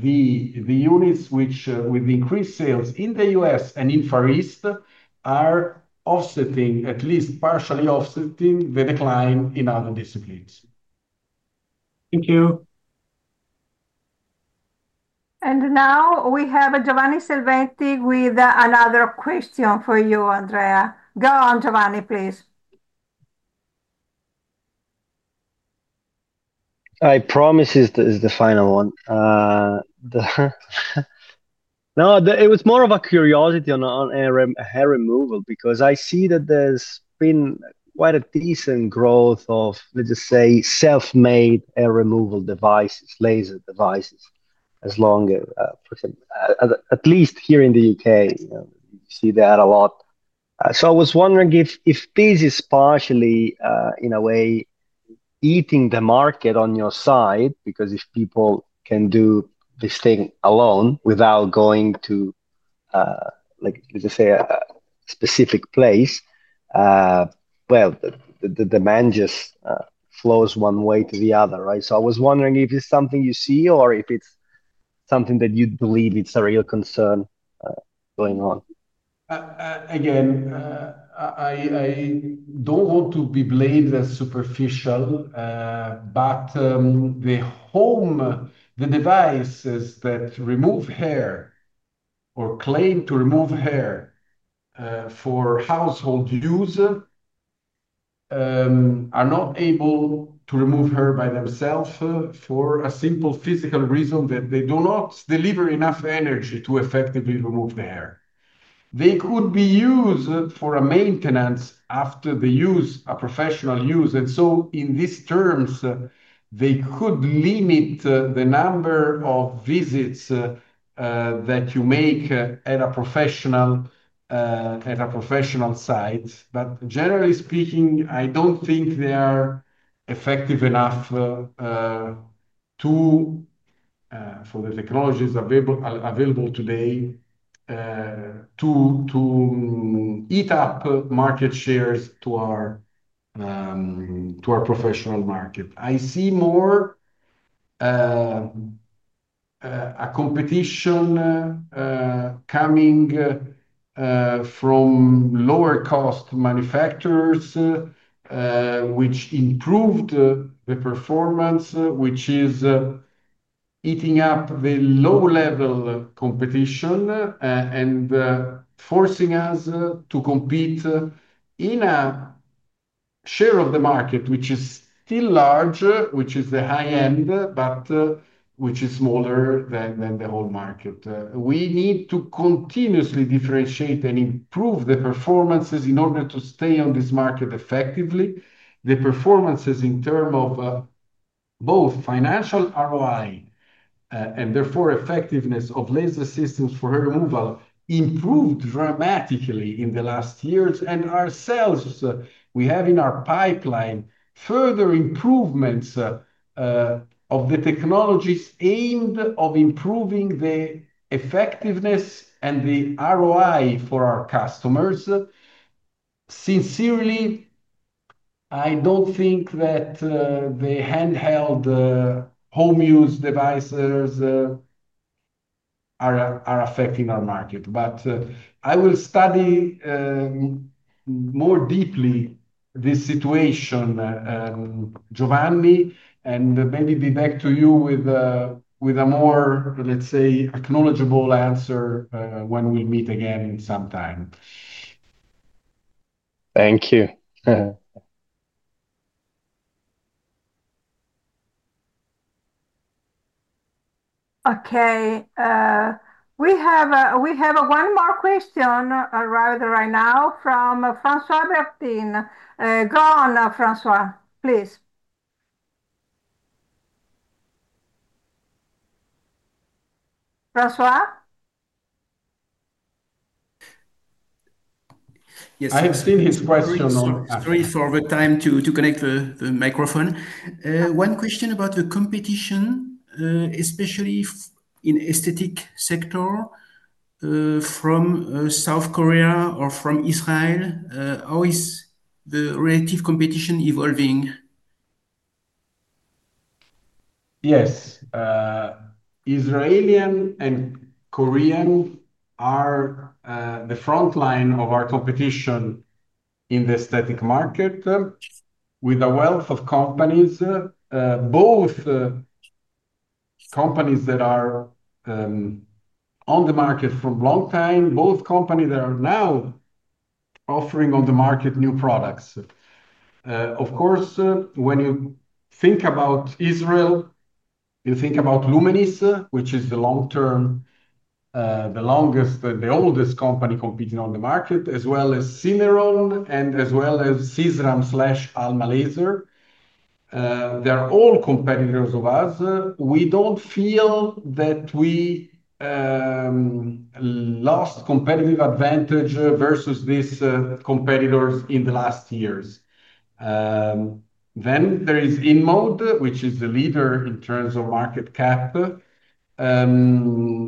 the units which, with increased sales in the U.S. and in Far East, are offsetting, at least partially offsetting, the decline in other disciplines. Thank you. We have Giovanni Salveti with another question for you, Andrea. Go on, Giovanni, please. I promise it's the final one. No, it was more of a curiosity on hair removal because I see that there's been quite a decent growth of, let's just say, self-made hair removal devices, laser devices, as long as, at least here in the UK, you see that a lot. I was wondering if this is partially, in a way, eating the market. If people can do this thing alone without going to, like, let's just say a specific place, the demand just flows one way to the other, right? I was wondering if it's something you see or if it's something that you believe is a real concern, going on. I don't want to be superficial, but the devices that remove hair or claim to remove hair for household use are not able to remove hair by themselves for a simple physical reason that they do not deliver enough energy to effectively remove the hair. They could be used for maintenance after the use, a professional use. In these terms, they could limit the number of visits that you make at a professional site. Generally speaking, I don't think they are effective enough for the technologies available today to eat up market shares to our professional market. I see more competition coming from lower-cost manufacturers, which improved the performance, which is eating up the low-level competition and forcing us to compete in a share of the market which is still large, which is the high-end, but which is smaller than the whole market. We need to continuously differentiate and improve the performances in order to stay on this market effectively. The performances in terms of both financial ROI, and therefore effectiveness of laser systems for hair removal, improved dramatically in the last years. Ourselves, we have in our pipeline further improvements of the technologies aimed at improving the effectiveness and the ROI for our customers. Sincerely, I don't think that the handheld, home-use devices are affecting our market. I will study more deeply this situation, Giovanni, and maybe be back to you with a more, let's say, acknowledgeable answer when we meet again in some time. Thank you. Okay, we have one more question arriving right now from François Berthine. Go on, François, please. François? Yes, I have seen his question. Sorry for the time to connect the microphone. One question about the competition, especially in the aesthetic sector from Korea or from Israel. How is the relative competition evolving? Yes. Israeli and Korean are the front line of our competition in the aesthetic market with a wealth of companies, both companies that are on the market for a long time, both companies that are now offering on the market new products. Of course, when you think about Israel, you think about Lumenis, which is the long-term, the longest, the oldest company competing on the market, as well as Syneron and as well as Sisram/Alma Laser. They're all competitors of us. We don't feel that we lost competitive advantage versus these competitors in the last years. There is InMode, which is the leader in terms of market cap,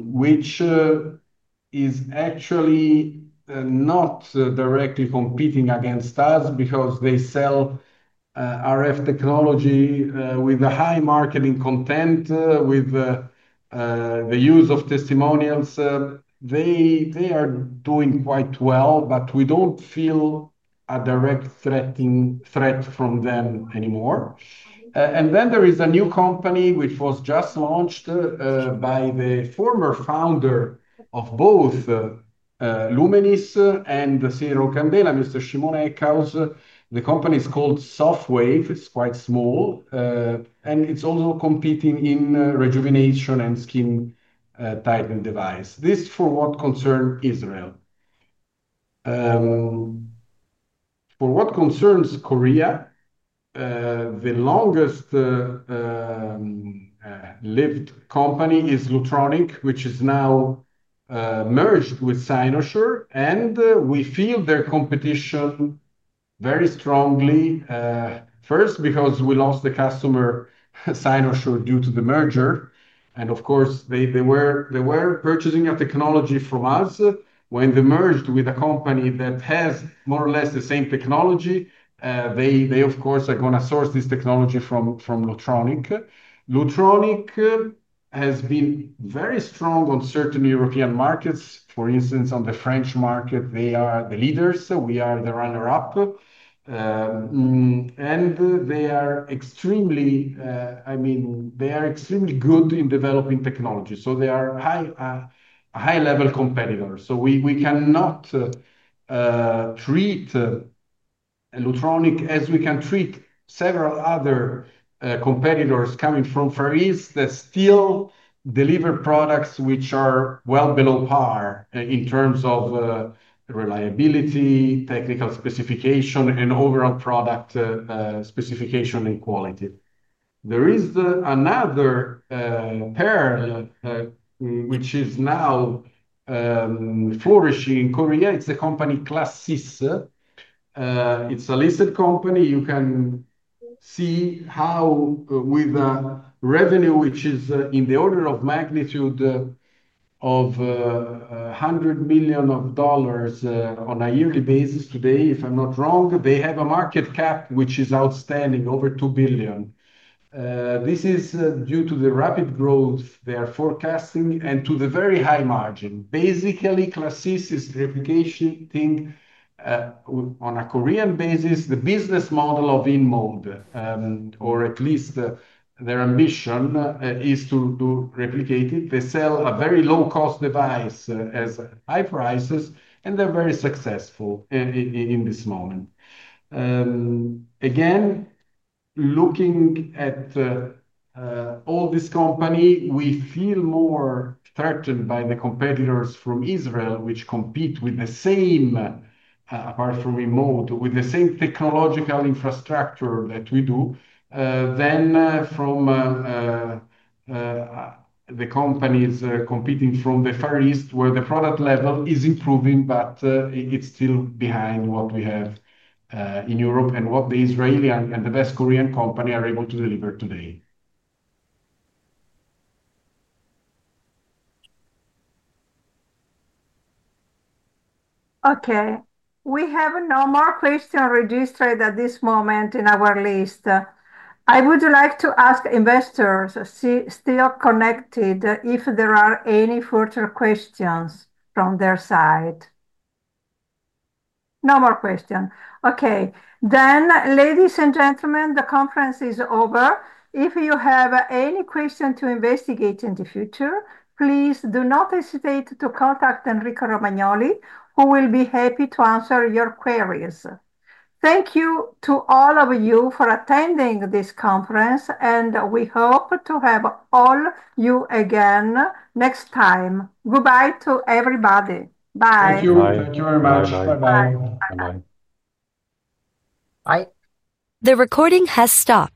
which is actually not directly competing against us because they sell RF technology with a high marketing content, with the use of testimonials. They are doing quite well, but we don't feel a direct threat from them anymore. There is a new company which was just launched by the former founder of both Lumenis and the Syneron Candela, Mr. Shimon Eckhouse. The company is called SoftWave. It's quite small. It's also competing in rejuvenation and skin tightening devices. This is for what concerns Israel. For what concerns Korea, the longest-lived company is Lutronic, which is now merged with Cynosure. We feel their competition very strongly, first, because we lost the customer Cynosure due to the merger. They were purchasing a technology from us. When they merged with a company that has more or less the same technology, they, of course, are going to source this technology from Lutronic. Lutronic has been very strong on certain European markets. For instance, on the French market, they are the leaders. We are the runner-up. They are extremely good in developing technology. They are a high-level competitor. We cannot treat Lutronic as we can treat several other competitors coming from Paris that still deliver products which are well below par in terms of reliability, technical specification, and overall product specification and quality. There is another pair which is now flourishing in Korea. It's the company Classys. It's a listed company. You can see how, with a revenue which is in the order of magnitude of $100 million on a yearly basis today, if I'm not wrong, they have a market cap which is outstanding, over $2 billion. This is due to the rapid growth they are forecasting and to the very high margin. Basically, Classys is replicating on a Korean basis the business model of InMode, or at least their ambition is to replicate it. They sell a very low-cost device at high prices, and they're very successful in this moment. Again, looking at all these companies, we feel more threatened by the competitors from Israel, which compete with the same, apart from InMode, with the same technological infrastructure that we do, than from the companies competing from the Far East where the product level is improving, but it's still behind what we have in Europe and what the Israeli and the West Korean company are able to deliver today. Okay. We have no more questions registered at this moment in our list. I would like to ask investors to stay connected if there are any further questions from their side. No more questions. Okay. Ladies and gentlemen, the conference is over. If you have any questions to investigate in the future, please do not hesitate to contact Enrico Romagnoli, who will be happy to answer your queries. Thank you to all of you for attending this conference, and we hope to have all of you again next time. Goodbye to everybody. Bye. Thank you. Bye. Thank you very much. Bye-bye. Bye-bye. Bye. The recording has stopped.